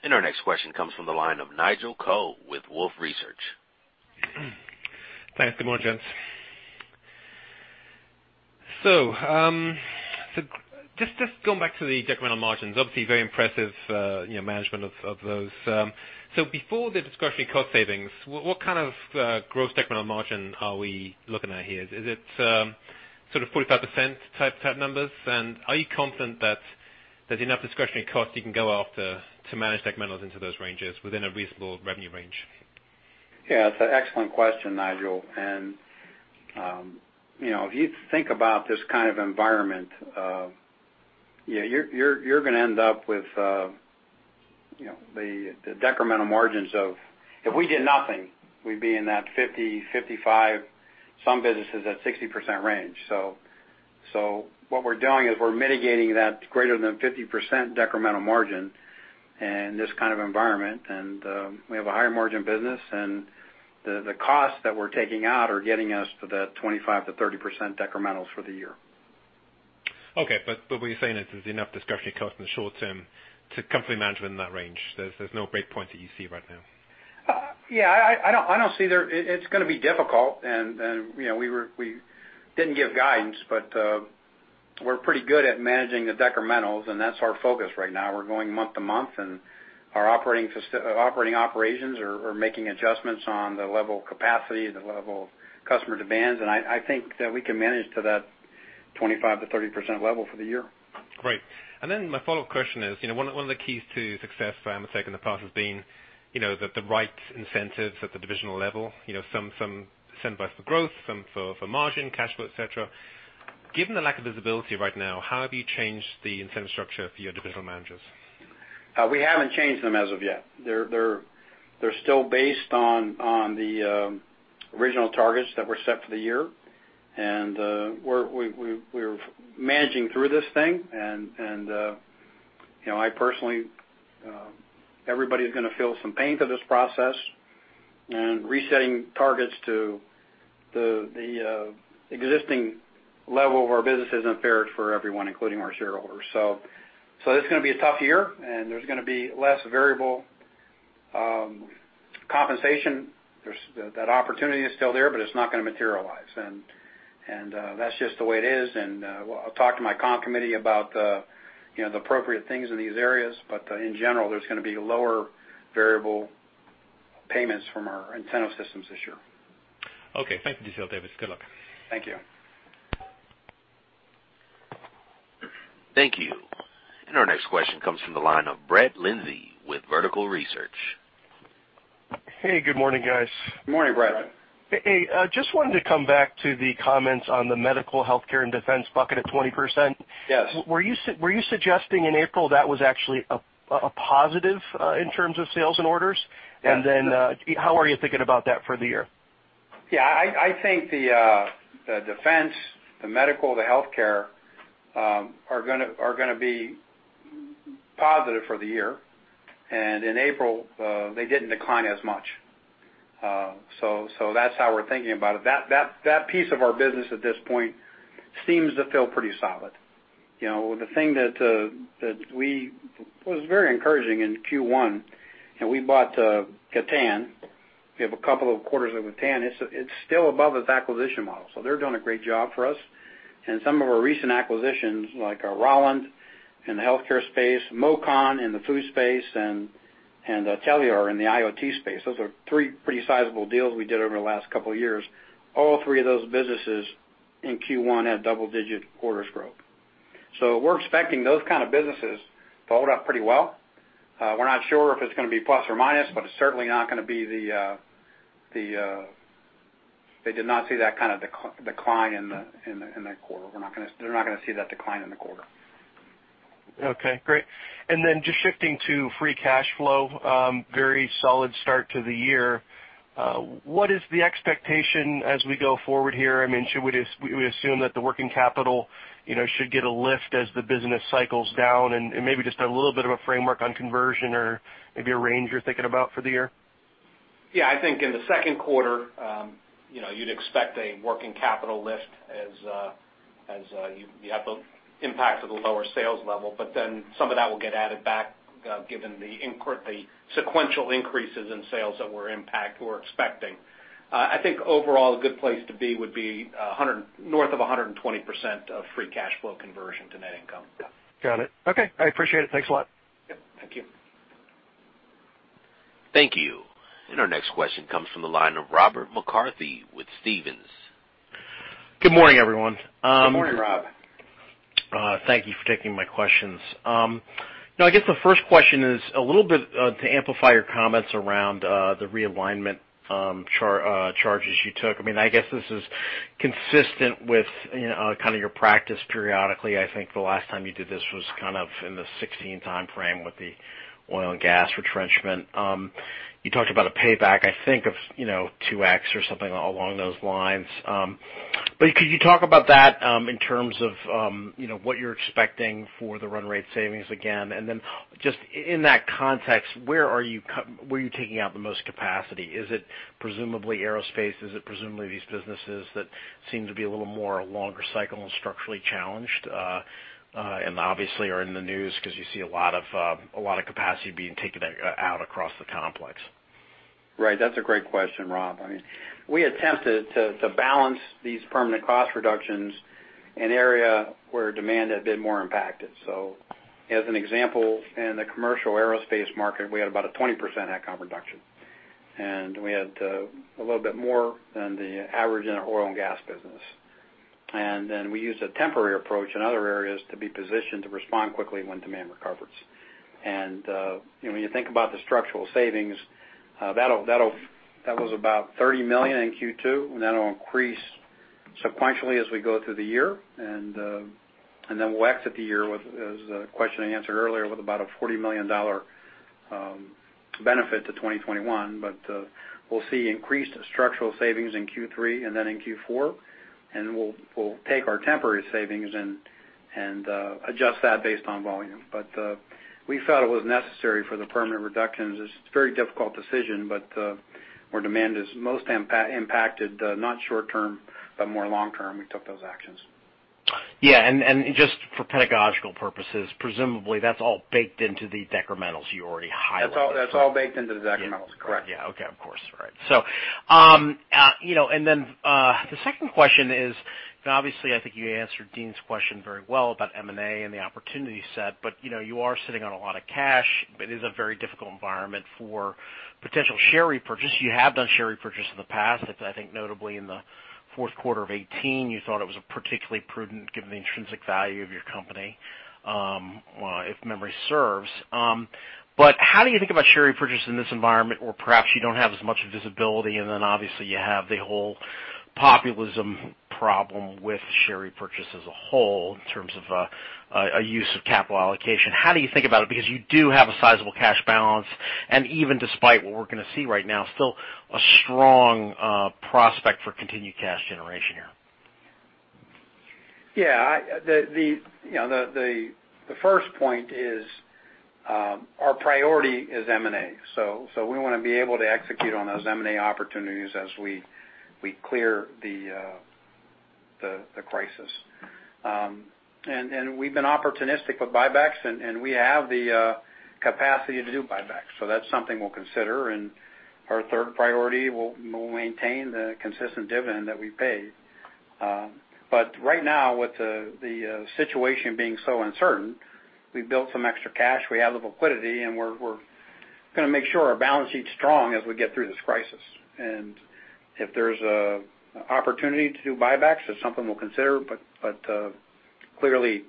Our next question comes from the line of Nigel Coe with Wolfe Research. Thanks. Good morning, gents. Just going back to the decremental margins, obviously very impressive management of those. Before the discretionary cost savings, what kind of gross decremental margin are we looking at here? Is it sort of 45% type numbers? Are you confident that there's enough discretionary cost you can go after to manage decrementals into those ranges within a reasonable revenue range? Yeah, it's an excellent question, Nigel. If you think about this kind of environment, you're going to end up with the decremental margins if we did nothing, we'd be in that 50%, 55%, some businesses at 60% range. What we're doing is we're mitigating that greater than 50% decremental margin in this kind of environment. We have a higher margin business, and the costs that we're taking out are getting us to the 25%-30% decrementals for the year. Okay, what you're saying is there's enough discretionary cost in the short term to comfortably manage within that range. There's no breakpoint that you see right now? Yeah, it's going to be difficult, and we didn't give guidance, but we're pretty good at managing the decrementals, and that's our focus right now. We're going month-to-month, and our operating operations are making adjustments on the level of capacity, the level of customer demands. I think that we can manage to that 25%-30% level for the year. Great. My follow-up question is, one of the keys to success for AMETEK in the past has been the right incentives at the divisional level. Some incentives for growth, some for margin, cash flow, et cetera. Given the lack of visibility right now, how have you changed the incentive structure for your divisional managers? We haven't changed them as of yet. They're still based on the original targets that were set for the year. We're managing through this thing, and I personally, everybody's going to feel some pain for this process, and resetting targets to the existing level of our business isn't fair for everyone, including our shareholders. It's going to be a tough year, and there's going to be less variable compensation. That opportunity is still there, but it's not going to materialize. That's just the way it is. I'll talk to my Comp Committee about the appropriate things in these areas. In general, there's going to be lower variable payments from our incentive systems this year. Okay. Thank you so much Davis. Good luck. Thank you. Thank you. Our next question comes from the line of Brett Linzey with Vertical Research. Hey, good morning, guys. Good morning, Brett. Hey. Just wanted to come back to the comments on the medical, healthcare, and defense bucket of 20%. Yes. Were you suggesting in April that was actually a positive in terms of sales and orders? Yes. How are you thinking about that for the year? Yeah, I think the defense, the medical, the healthcare are going to be positive for the year. In April, they didn't decline as much. That's how we're thinking about it. That piece of our business at this point seems to feel pretty solid. The thing that was very encouraging in Q1, and we bought Gatan, we have a couple of quarters with Gatan. It's still above its acquisition model, so they're doing a great job for us. Some of our recent acquisitions, like Rauland in the healthcare space, MOCON in the food space, and Telular in the IoT space, those are three pretty sizable deals we did over the last couple of years. All three of those businesses in Q1 had double-digit quarters growth. We're expecting those kind of businesses to hold up pretty well. We're not sure if it's going to be plus or minus. They did not see that kind of decline in the quarter. They're not going to see that decline in the quarter. Okay, great. Just shifting to free cash flow, very solid start to the year. What is the expectation as we go forward here? Should we assume that the working capital should get a lift as the business cycles down? Maybe just a little bit of a framework on conversion or maybe a range you're thinking about for the year? Yeah, I think in the second quarter, you'd expect a working capital lift as you have the impact of the lower sales level. Some of that will get added back given the sequential increases in sales that we're expecting. I think overall, a good place to be would be north of 120% of free cash flow conversion to net income. Got it. Okay, I appreciate it. Thanks a lot. Yep. Thank you. Thank you. Our next question comes from the line of Robert McCarthy with Stephens. Good morning, everyone. Good morning, Rob. Thank you for taking my questions. I guess the first question is a little bit to amplify your comments around the realignment charges you took. I guess this is consistent with kind of your practice periodically, I think the last time you did this was kind of in the 2016 timeframe with the oil and gas retrenchment. You talked about a payback, I think of 2x or something along those lines. Could you talk about that in terms of what you're expecting for the run rate savings again? Just in that context, where are you taking out the most capacity? Is it presumably aerospace? Is it presumably these businesses that seem to be a little more longer cycle and structurally challenged, and obviously are in the news because you see a lot of capacity being taken out across the complex. That's a great question, Rob. We attempted to balance these permanent cost reductions in area where demand had been more impacted. As an example, in the commercial aerospace market, we had about a 20% head count reduction, and we had a little bit more than the average in our oil and gas business. We used a temporary approach in other areas to be positioned to respond quickly when demand recovers. When you think about the structural savings, that was about $30 million in Q2, and that'll increase sequentially as we go through the year, and then we'll exit the year with, as a question I answered earlier, with about a $40 million benefit to 2021. We'll see increased structural savings in Q3 and then in Q4, and we'll take our temporary savings and adjust that based on volume. We felt it was necessary for the permanent reductions. It's a very difficult decision, but where demand is most impacted, not short term, but more long term, we took those actions. Yeah. Just for pedagogical purposes, presumably that's all baked into the decrementals you already highlighted. That's all baked into the decrementals, correct? Yeah. Okay. Of course. Right. The second question is, obviously, I think you answered Deane's question very well about M&A and the opportunity set, but you are sitting on a lot of cash. It is a very difficult environment for potential share repurchase. You have done share repurchase in the past. I think notably in the fourth quarter of 2018, you thought it was particularly prudent given the intrinsic value of your company, if memory serves. How do you think about share repurchase in this environment where perhaps you don't have as much visibility, and then obviously you have the whole populism problem with share repurchase as a whole in terms of a use of capital allocation? How do you think about it? You do have a sizable cash balance, and even despite what we're going to see right now, still a strong prospect for continued cash generation here. The first point is our priority is M&A. We want to be able to execute on those M&A opportunities as we clear the crisis. We've been opportunistic with buybacks, and we have the capacity to do buybacks. That's something we'll consider. Our third priority, we'll maintain the consistent dividend that we pay. Right now, with the situation being so uncertain, we've built some extra cash. We have the liquidity, and we're going to make sure our balance sheet's strong as we get through this crisis. If there's an opportunity to do buybacks, that's something we'll consider. Clearly,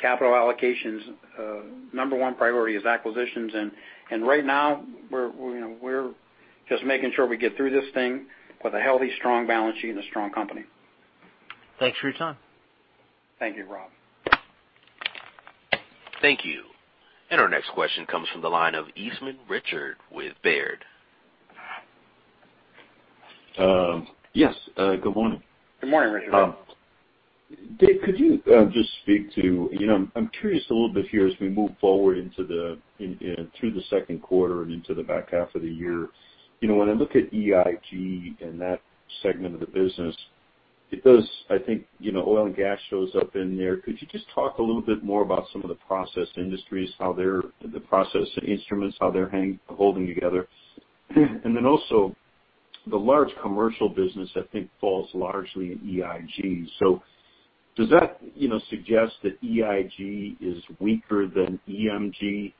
capital allocation's number one priority is acquisitions. Right now we're just making sure we get through this thing with a healthy, strong balance sheet and a strong company. Thanks for your time. Thank you, Rob. Thank you. Our next question comes from the line of Richard Eastman with Baird. Yes. Good morning. Good morning, Richard. Dave, could you just speak to, I'm curious a little bit here as we move forward through the second quarter and into the back half of the year. When I look at EIG and that segment of the business, it does, I think, oil and gas shows up in there. Could you just talk a little bit more about some of the process industries, the process instruments, how they're holding together? Also the large commercial business, I think falls largely in EIG. Does that suggest that EIG is weaker than EMG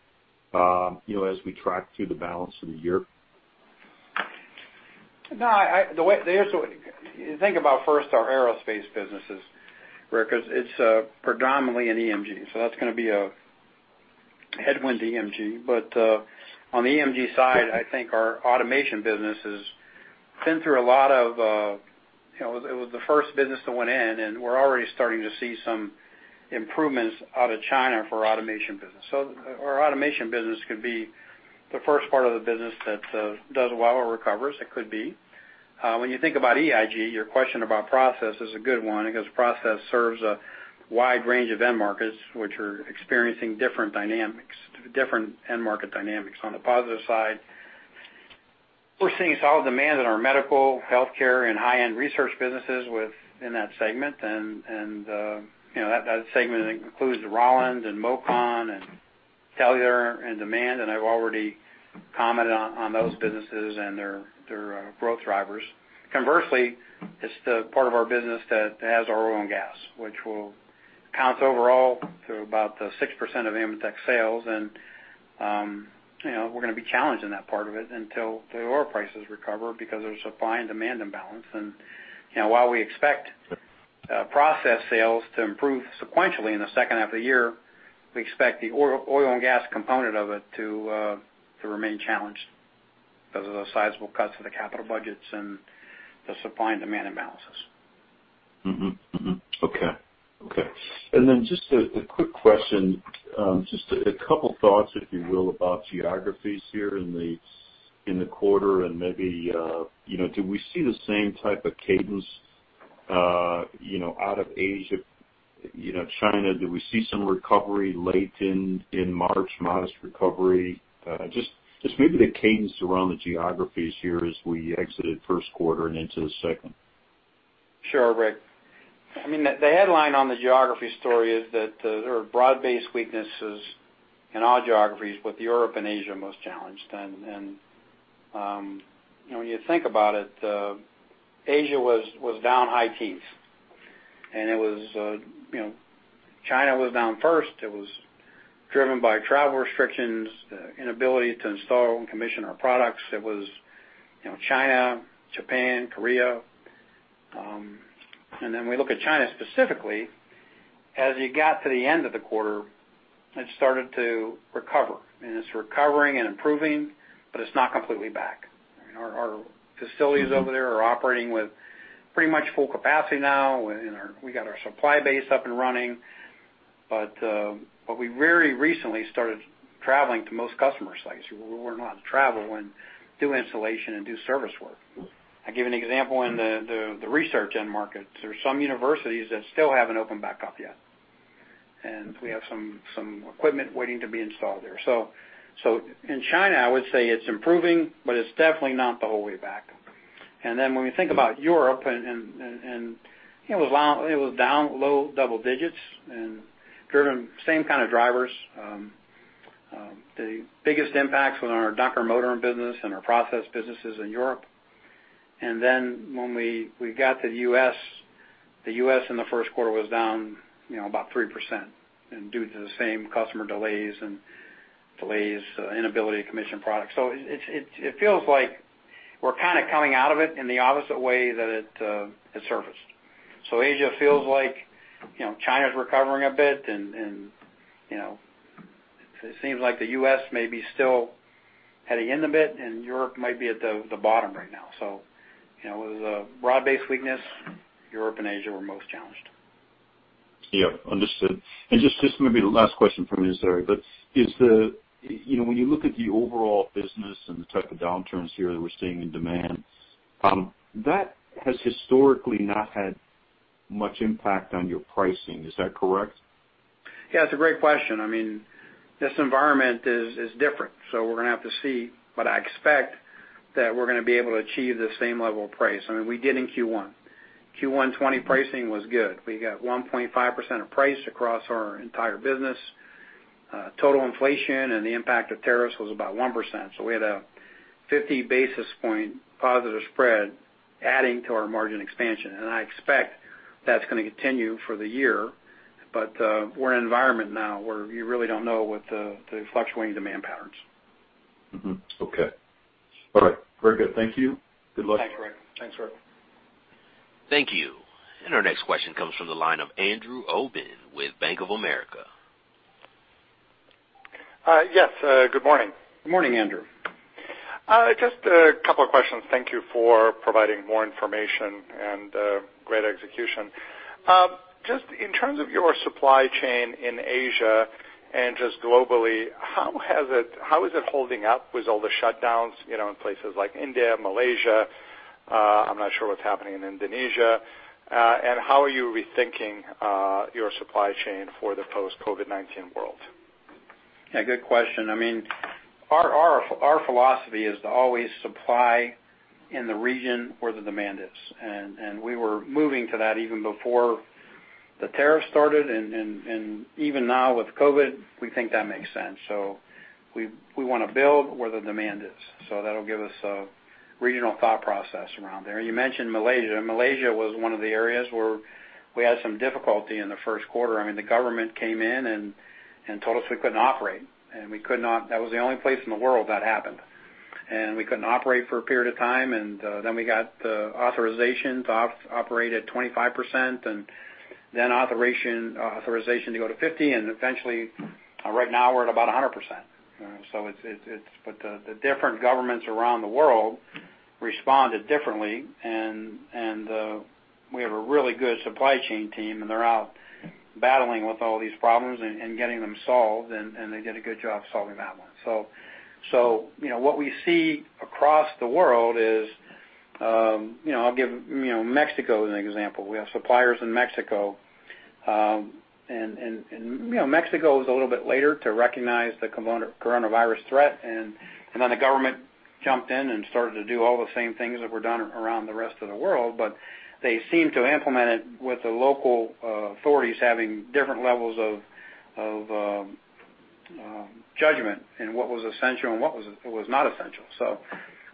as we track through the balance of the year? No. Think about first our aerospace businesses, Rick, because it's predominantly in EMG, so that's going to be a headwind to EMG. On the EMG side, I think our automation business, it was the first business that went in, and we're already starting to see some improvements out of China for our automation business. Our automation business could be the first part of the business that does well or recovers. It could be. When you think about EIG, your question about process is a good one, because process serves a wide range of end markets, which are experiencing different end market dynamics. On the positive side, we're seeing solid demand in our medical, healthcare, and high-end research businesses within that segment. That segment includes Rauland and MOCON and Telular and Demand, and I've already commented on those businesses and their growth drivers. Conversely, it's the part of our business that has our oil and gas, which will count overall to about 6% of AMETEK sales, and we're going to be challenged in that part of it until the oil prices recover because there's supply and demand imbalance. While we expect process sales to improve sequentially in the second half of the year, we expect the oil and gas component of it to remain challenged because of the sizable cuts to the capital budgets and the supply and demand imbalances. Okay. Then just a quick question, just a couple thoughts, if you will, about geographies here in the quarter and maybe do we see the same type of cadence out of Asia, China? Do we see some recovery late in March, modest recovery? Just maybe the cadence around the geographies here as we exited first quarter and into the second. Sure, Rick. The headline on the geography story is that there are broad-based weaknesses in all geographies with Europe and Asia most challenged. When you think about it, Asia was down high teens, and China was down first. It was driven by travel restrictions, the inability to install and commission our products. It was China, Japan, Korea. We look at China specifically, as you got to the end of the quarter, it started to recover, and it's recovering and improving, but it's not completely back. Our facilities over there are operating with pretty much full capacity now, and we got our supply base up and running. We very recently started traveling to most customer sites. We were not traveling, do installation, and do service work. I give an example in the research end markets. There's some universities that still haven't opened back up yet. We have some equipment waiting to be installed there. In China, I would say it's improving, it's definitely not the whole way back. When we think about Europe, it was down low double digits, driven same kind of drivers. The biggest impacts on our Dunkermotoren business and our process businesses in Europe. When we got to the U.S., the U.S. in the first quarter was down about 3%, due to the same customer delays and inability to commission products. It feels like we're kind of coming out of it in the opposite way that it surfaced. Asia feels like China's recovering a bit, it seems like the U.S. may be still heading in a bit, Europe might be at the bottom right now. It was a broad-based weakness. Europe and Asia were most challenged. Yep, understood. Just maybe the last question from me is there, when you look at the overall business and the type of downturns here that we're seeing in demand, that has historically not had much impact on your pricing, is that correct? Yeah, it's a great question. This environment is different, we're going to have to see. I expect that we're going to be able to achieve the same level of price. We did in Q1. Q1 2020 pricing was good. We got 1.5% of price across our entire business. Total inflation and the impact of tariffs was about 1%. We had a 50 basis point positive spread adding to our margin expansion. I expect that's going to continue for the year. We're in an environment now where you really don't know what the fluctuating demand patterns. Okay. All right. Very good. Thank you. Good luck. Thanks, Rick. Thank you. Our next question comes from the line of Andrew Obin with Bank of America. Yes, good morning. Good morning, Andrew. Just a couple of questions. Thank you for providing more information and great execution. Just in terms of your supply chain in Asia and just globally, how is it holding up with all the shutdowns in places like India, Malaysia? I'm not sure what's happening in Indonesia. How are you rethinking your supply chain for the post-COVID-19 world? Yeah, good question. Our philosophy is to always supply in the region where the demand is, and we were moving to that even before the tariff started. Even now with COVID-19, we think that makes sense. We want to build where the demand is, so that'll give us a regional thought process around there. You mentioned Malaysia. Malaysia was one of the areas where we had some difficulty in the first quarter. The government came in and told us we couldn't operate, and we could not. That was the only place in the world that happened. We couldn't operate for a period of time, and then we got the authorization to operate at 25%, and then authorization to go to 50%. Eventually, right now we're at about 100%. The different governments around the world responded differently, and we have a really good supply chain team, and they're out battling with all these problems and getting them solved, and they did a good job solving that one. What we see across the world is, I'll give Mexico as an example. We have suppliers in Mexico, and Mexico was a little bit later to recognize the COVID-19 threat. The government jumped in and started to do all the same things that were done around the rest of the world, but they seemed to implement it with the local authorities having different levels of judgment in what was essential and what was not essential.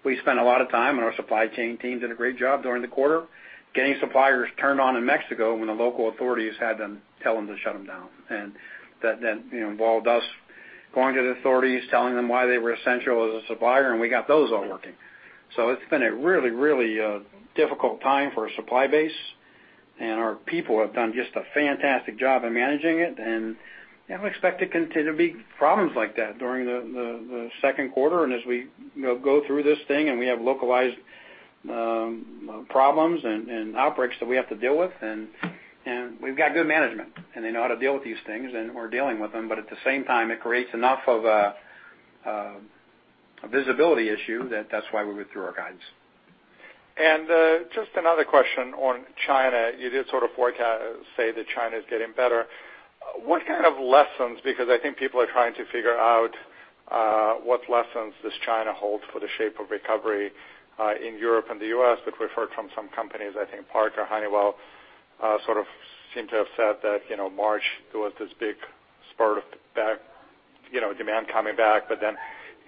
We spent a lot of time, and our supply chain team did a great job during the quarter getting suppliers turned on in Mexico when the local authorities had to tell them to shut them down. That involved us going to the authorities, telling them why they were essential as a supplier, and we got those all working. It's been a really difficult time for our supply base, and our people have done just a fantastic job in managing it, and we expect there to continue to be problems like that during the second quarter, and as we go through this thing, and we have localized problems and outbreaks that we have to deal with. We've got good management, and they know how to deal with these things, and we're dealing with them. At the same time, it creates enough of a visibility issue that that's why we went through our guidance. Just another question on China. You did sort of forecast, say that China's getting better. What kind of lessons, because I think people are trying to figure out what lessons does China hold for the shape of recovery in Europe and the U.S., which we've heard from some companies. I think Parker, Honeywell, sort of seem to have said that March, there was this big spurt of demand coming back.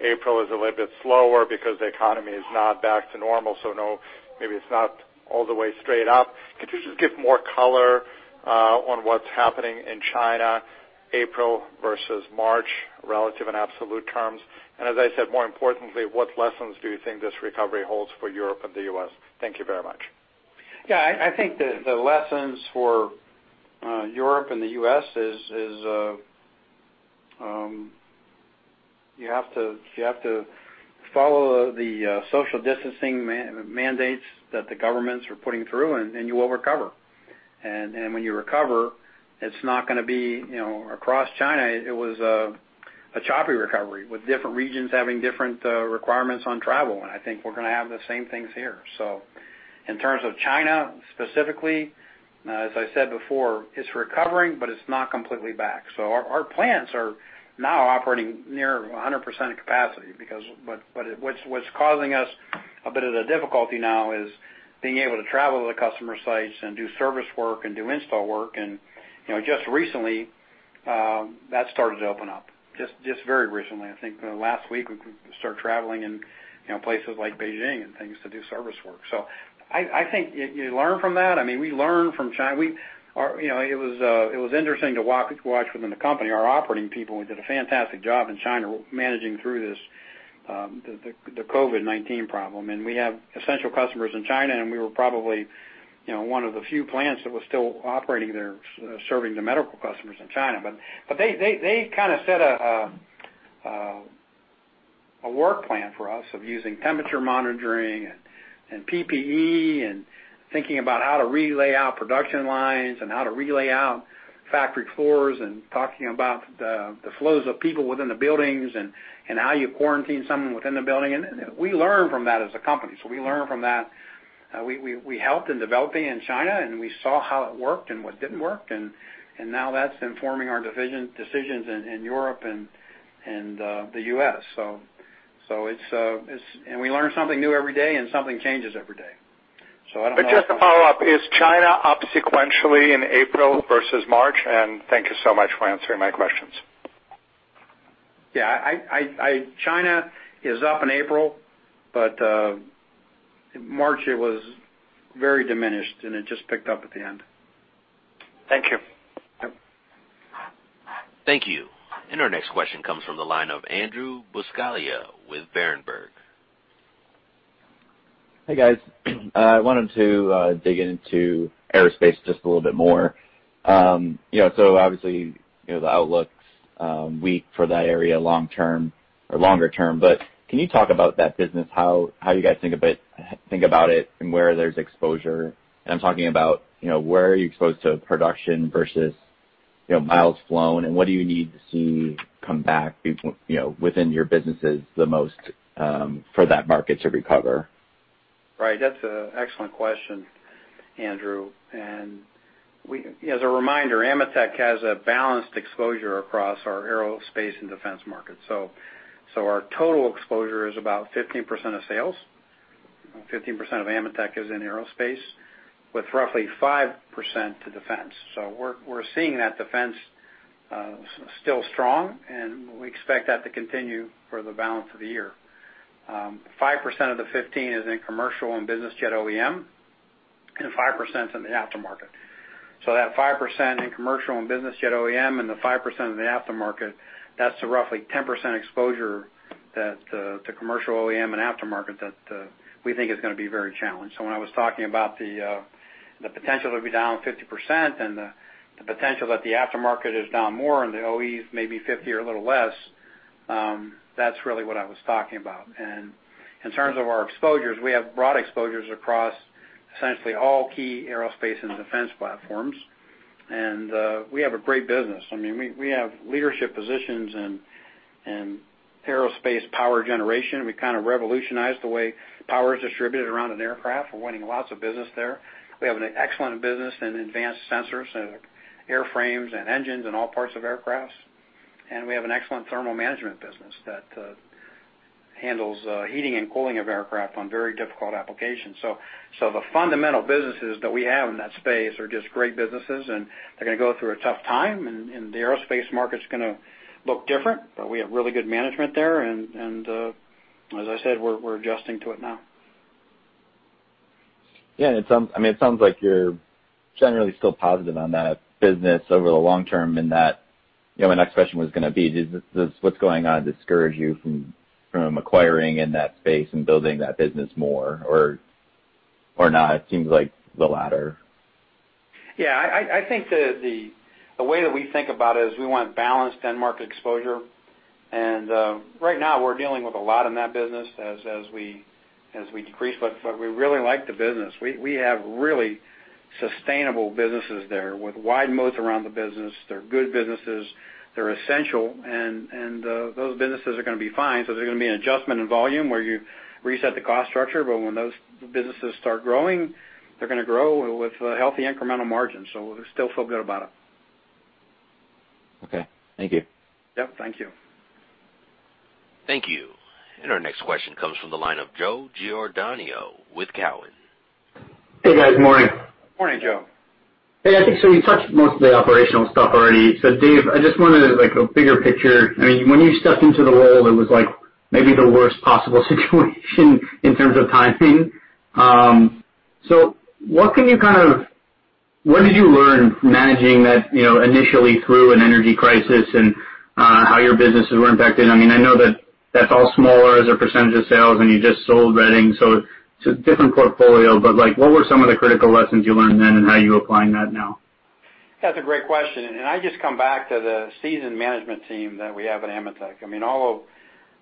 April is a little bit slower because the economy is not back to normal. No, maybe it's not all the way straight up. Could you just give more color on what's happening in China, April versus March, relative and absolute terms? As I said, more importantly, what lessons do you think this recovery holds for Europe and the U.S.? Thank you very much. Yeah, I think the lessons for Europe and the U.S. is, you have to follow the social distancing mandates that the governments are putting through, you will recover. When you recover, across China, it was a choppy recovery, with different regions having different requirements on travel. I think we're going to have the same things here. In terms of China specifically, as I said before, it's recovering, it's not completely back. Our plants are now operating near 100% of capacity. What's causing us a bit of the difficulty now is being able to travel to the customer sites and do service work and do install work. Just recently, that started to open up, just very recently. I think last week we could start traveling in places like Beijing and things to do service work. I think you learn from that. We learn from China. It was interesting to watch within the company, our operating people, who did a fantastic job in China managing through this, the COVID-19 problem. We have essential customers in China, and we were probably one of the few plants that was still operating there, serving the medical customers in China. They kind of set a work plan for us of using temperature monitoring and PPE and thinking about how to re-layout production lines and how to re-layout factory floors and talking about the flows of people within the buildings and how you quarantine someone within the building. We learn from that as a company. We learn from that. We helped in developing in China, and we saw how it worked and what didn't work, and now that's informing our decisions in Europe and the U.S. We learn something new every day, and something changes every day. I don't know. Just to follow up, is China up sequentially in April versus March? Thank you so much for answering my questions. Yeah. China is up in April, but March, it was very diminished, and it just picked up at the end. Thank you. Yep. Thank you. Our next question comes from the line of Andrew Buscaglia with Berenberg. Hey, guys. I wanted to dig into aerospace just a little bit more. Obviously, the outlook's weak for that area longer term, but can you talk about that business, how you guys think about it and where there's exposure? I'm talking about where are you exposed to production versus miles flown, and what do you need to see come back within your businesses the most for that market to recover? Right. That's an excellent question, Andrew. As a reminder, AMETEK has a balanced exposure across our aerospace and defense market. Our total exposure is about 15% of sales. 15% of AMETEK is in aerospace with roughly 5% to defense. We're seeing that defense still strong, and we expect that to continue for the balance of the year. 5% of the 15 is in commercial and business jet OEM, and 5% is in the aftermarket. That 5% in commercial and business jet OEM and the 5% in the aftermarket, that's a roughly 10% exposure that the commercial OEM and aftermarket that we think is going to be very challenged. When I was talking about the potential to be down 50% and the potential that the aftermarket is down more and the OEs may be 50% or a little less, that's really what I was talking about. In terms of our exposures, we have broad exposures across essentially all key aerospace and defense platforms. We have a great business. We have leadership positions in aerospace power generation. We kind of revolutionized the way power is distributed around an aircraft. We're winning lots of business there. We have an excellent business in advanced sensors and airframes and engines and all parts of aircrafts. We have an excellent thermal management business that handles heating and cooling of aircraft on very difficult applications. The fundamental businesses that we have in that space are just great businesses, and they're going to go through a tough time, and the aerospace market's going to look different. We have really good management there, and as I said, we're adjusting to it now. Yeah. It sounds like you're generally still positive on that business over the long term. My next question was going to be, does what's going on discourage you from acquiring in that space and building that business more or not? It seems like the latter. I think the way that we think about it is we want balanced end market exposure. Right now, we're dealing with a lot in that business as we decrease. We really like the business. We have really sustainable businesses there with wide moat around the business. They're good businesses. They're essential. Those businesses are going to be fine. There's going to be an adjustment in volume where you reset the cost structure, but when those businesses start growing, they're going to grow with healthy incremental margins. We still feel good about it. Okay. Thank you. Yep. Thank you. Thank you. Our next question comes from the line of Joe Giordano with Cowen. Hey, guys. Morning. Morning, Joe. Hey, I think, you touched most of the operational stuff already. Dave, I just wanted like a bigger picture. When you stepped into the role, it was maybe the worst possible situation in terms of timing. What did you learn from managing that initially through an energy crisis and how your businesses were impacted? I know that that's all smaller as a percentage of sales, and you just sold Reading, so it's a different portfolio. What were some of the critical lessons you learned then, and how are you applying that now? That's a great question. I just come back to the seasoned management team that we have at AMETEK. All of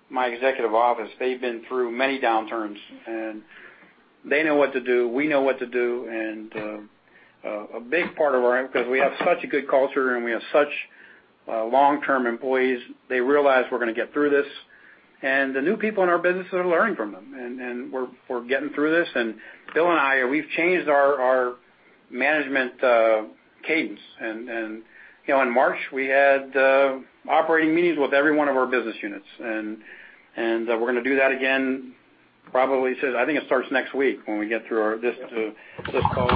my executive office, they've been through many downturns, and they know what to do. We know what to do. Because we have such a good culture and we have such long-term employees, they realize we're going to get through this. The new people in our business are learning from them. We're getting through this. Bill and I, we've changed our management cadence. In March, we had operating meetings with every one of our business units. We're going to do that again, probably, I think it starts next week when we get through this call.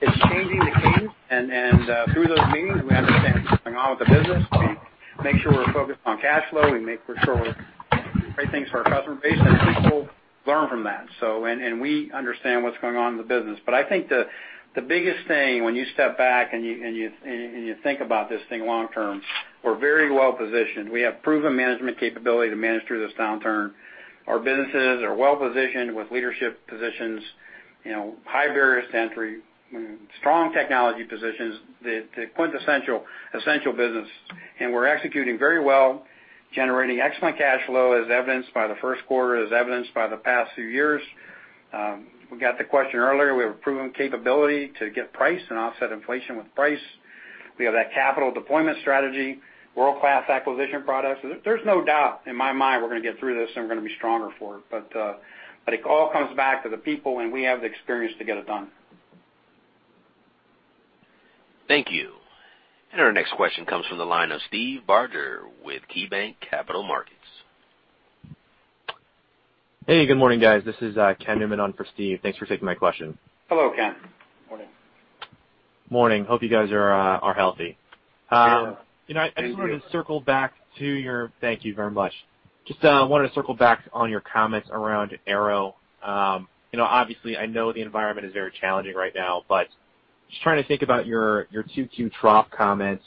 It's changing the cadence. Through those meetings, we understand what's going on with the business. We make sure we're focused on cash flow. We make sure we're doing great things for our customer base, and people learn from that. We understand what's going on in the business. I think the biggest thing when you step back and you think about this thing long term, we're very well positioned. We have proven management capability to manage through this downturn. Our businesses are well positioned with leadership positions, high barriers to entry, strong technology positions, the quintessential essential business. We're executing very well, generating excellent cash flow as evidenced by the first quarter, as evidenced by the past few years. We got the question earlier. We have a proven capability to get price and offset inflation with price. We have that capital deployment strategy, world-class acquisition products. There's no doubt in my mind we're going to get through this and we're going to be stronger for it. It all comes back to the people, and we have the experience to get it done. Thank you. Our next question comes from the line of Steve Barger with KeyBanc Capital Markets. Hey, good morning, guys. This is Ken Newman on for Steve. Thanks for taking my question. Hello, Ken. Morning. Morning. Hope you guys are healthy. Yeah. Thank you. Thank you very much. Just wanted to circle back on your comments around Aero. Obviously, I know the environment is very challenging right now, but just trying to think about your 2Q trough comments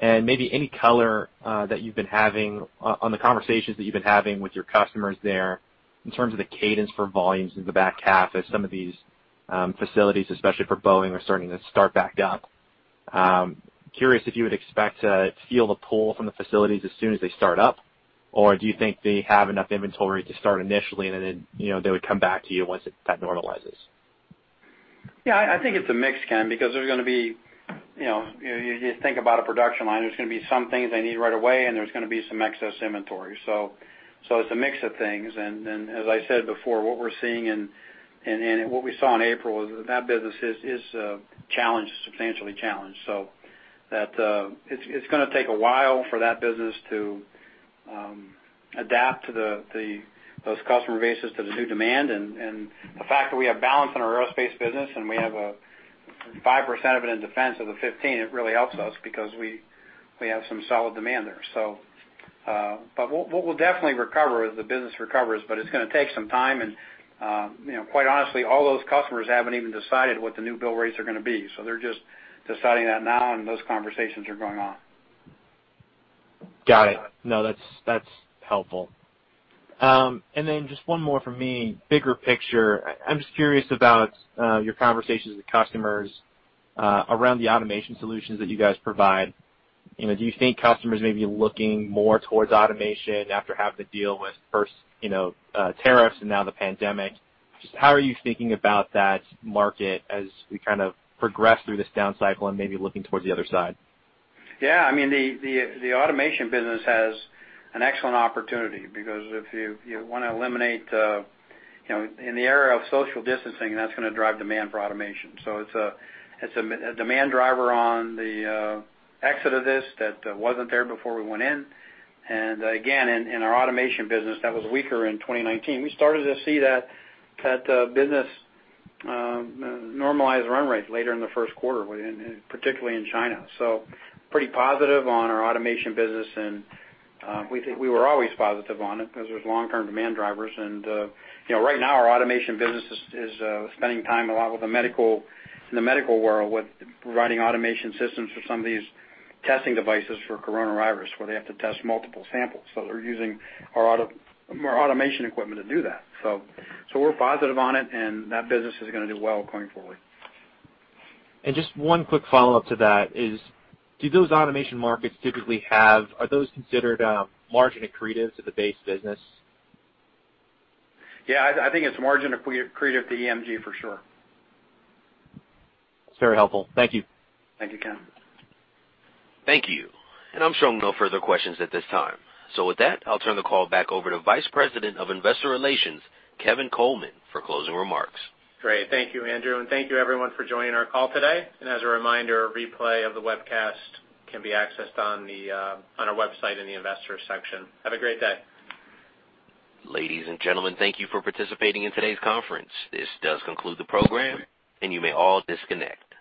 and maybe any color that you've been having on the conversations that you've been having with your customers there in terms of the cadence for volumes in the back half as some of these facilities, especially for Boeing, are starting to start back up. Curious if you would expect to feel the pull from the facilities as soon as they start up, or do you think they have enough inventory to start initially, and then they would come back to you once that normalizes? Yeah. I think it's a mix, Ken, because there's going to be. You think about a production line. There's going to be some things they need right away, and there's going to be some excess inventory. It's a mix of things. As I said before, what we're seeing and what we saw in April is that that business is challenged, substantially challenged. It's going to take a while for that business to adapt those customer bases to the new demand. The fact that we have balance in our aerospace business and we have 5% of it in defense of the 15%, it really helps us because we have some solid demand there. We'll definitely recover as the business recovers, but it's going to take some time. Quite honestly, all those customers haven't even decided what the new build rates are going to be. They're just deciding that now, and those conversations are going on. Got it. No, that's helpful. Just one more from me, bigger picture. I'm just curious about your conversations with customers around the automation solutions that you guys provide. Do you think customers may be looking more towards automation after having to deal with first tariffs and now the pandemic? Just how are you thinking about that market as we kind of progress through this down cycle and maybe looking towards the other side? Yeah. The automation business has an excellent opportunity because in the era of social distancing, that's going to drive demand for automation. It's a demand driver on the exit of this that wasn't there before we went in. Again, in our automation business, that was weaker in 2019. We started to see that business normalize run rates later in the first quarter, particularly in China. Pretty positive on our automation business, and we were always positive on it because there's long-term demand drivers. Right now, our automation business is spending time a lot with in the medical world with providing automation systems for some of these testing devices for coronavirus, where they have to test multiple samples. They're using our automation equipment to do that. We're positive on it, and that business is going to do well going forward. Just one quick follow-up to that is, Are those considered margin accretive to the base business? Yeah. I think it's margin accretive to EMG for sure. That's very helpful. Thank you. Thank you, Ken. Thank you. I'm showing no further questions at this time. With that, I'll turn the call back over to Vice President of Investor Relations, Kevin Coleman, for closing remarks. Great. Thank you, Andrew, and thank you everyone for joining our call today. As a reminder, a replay of the webcast can be accessed on our website in the Investors section. Have a great day. Ladies and gentlemen, thank you for participating in today's conference. This does conclude the program, and you may all disconnect.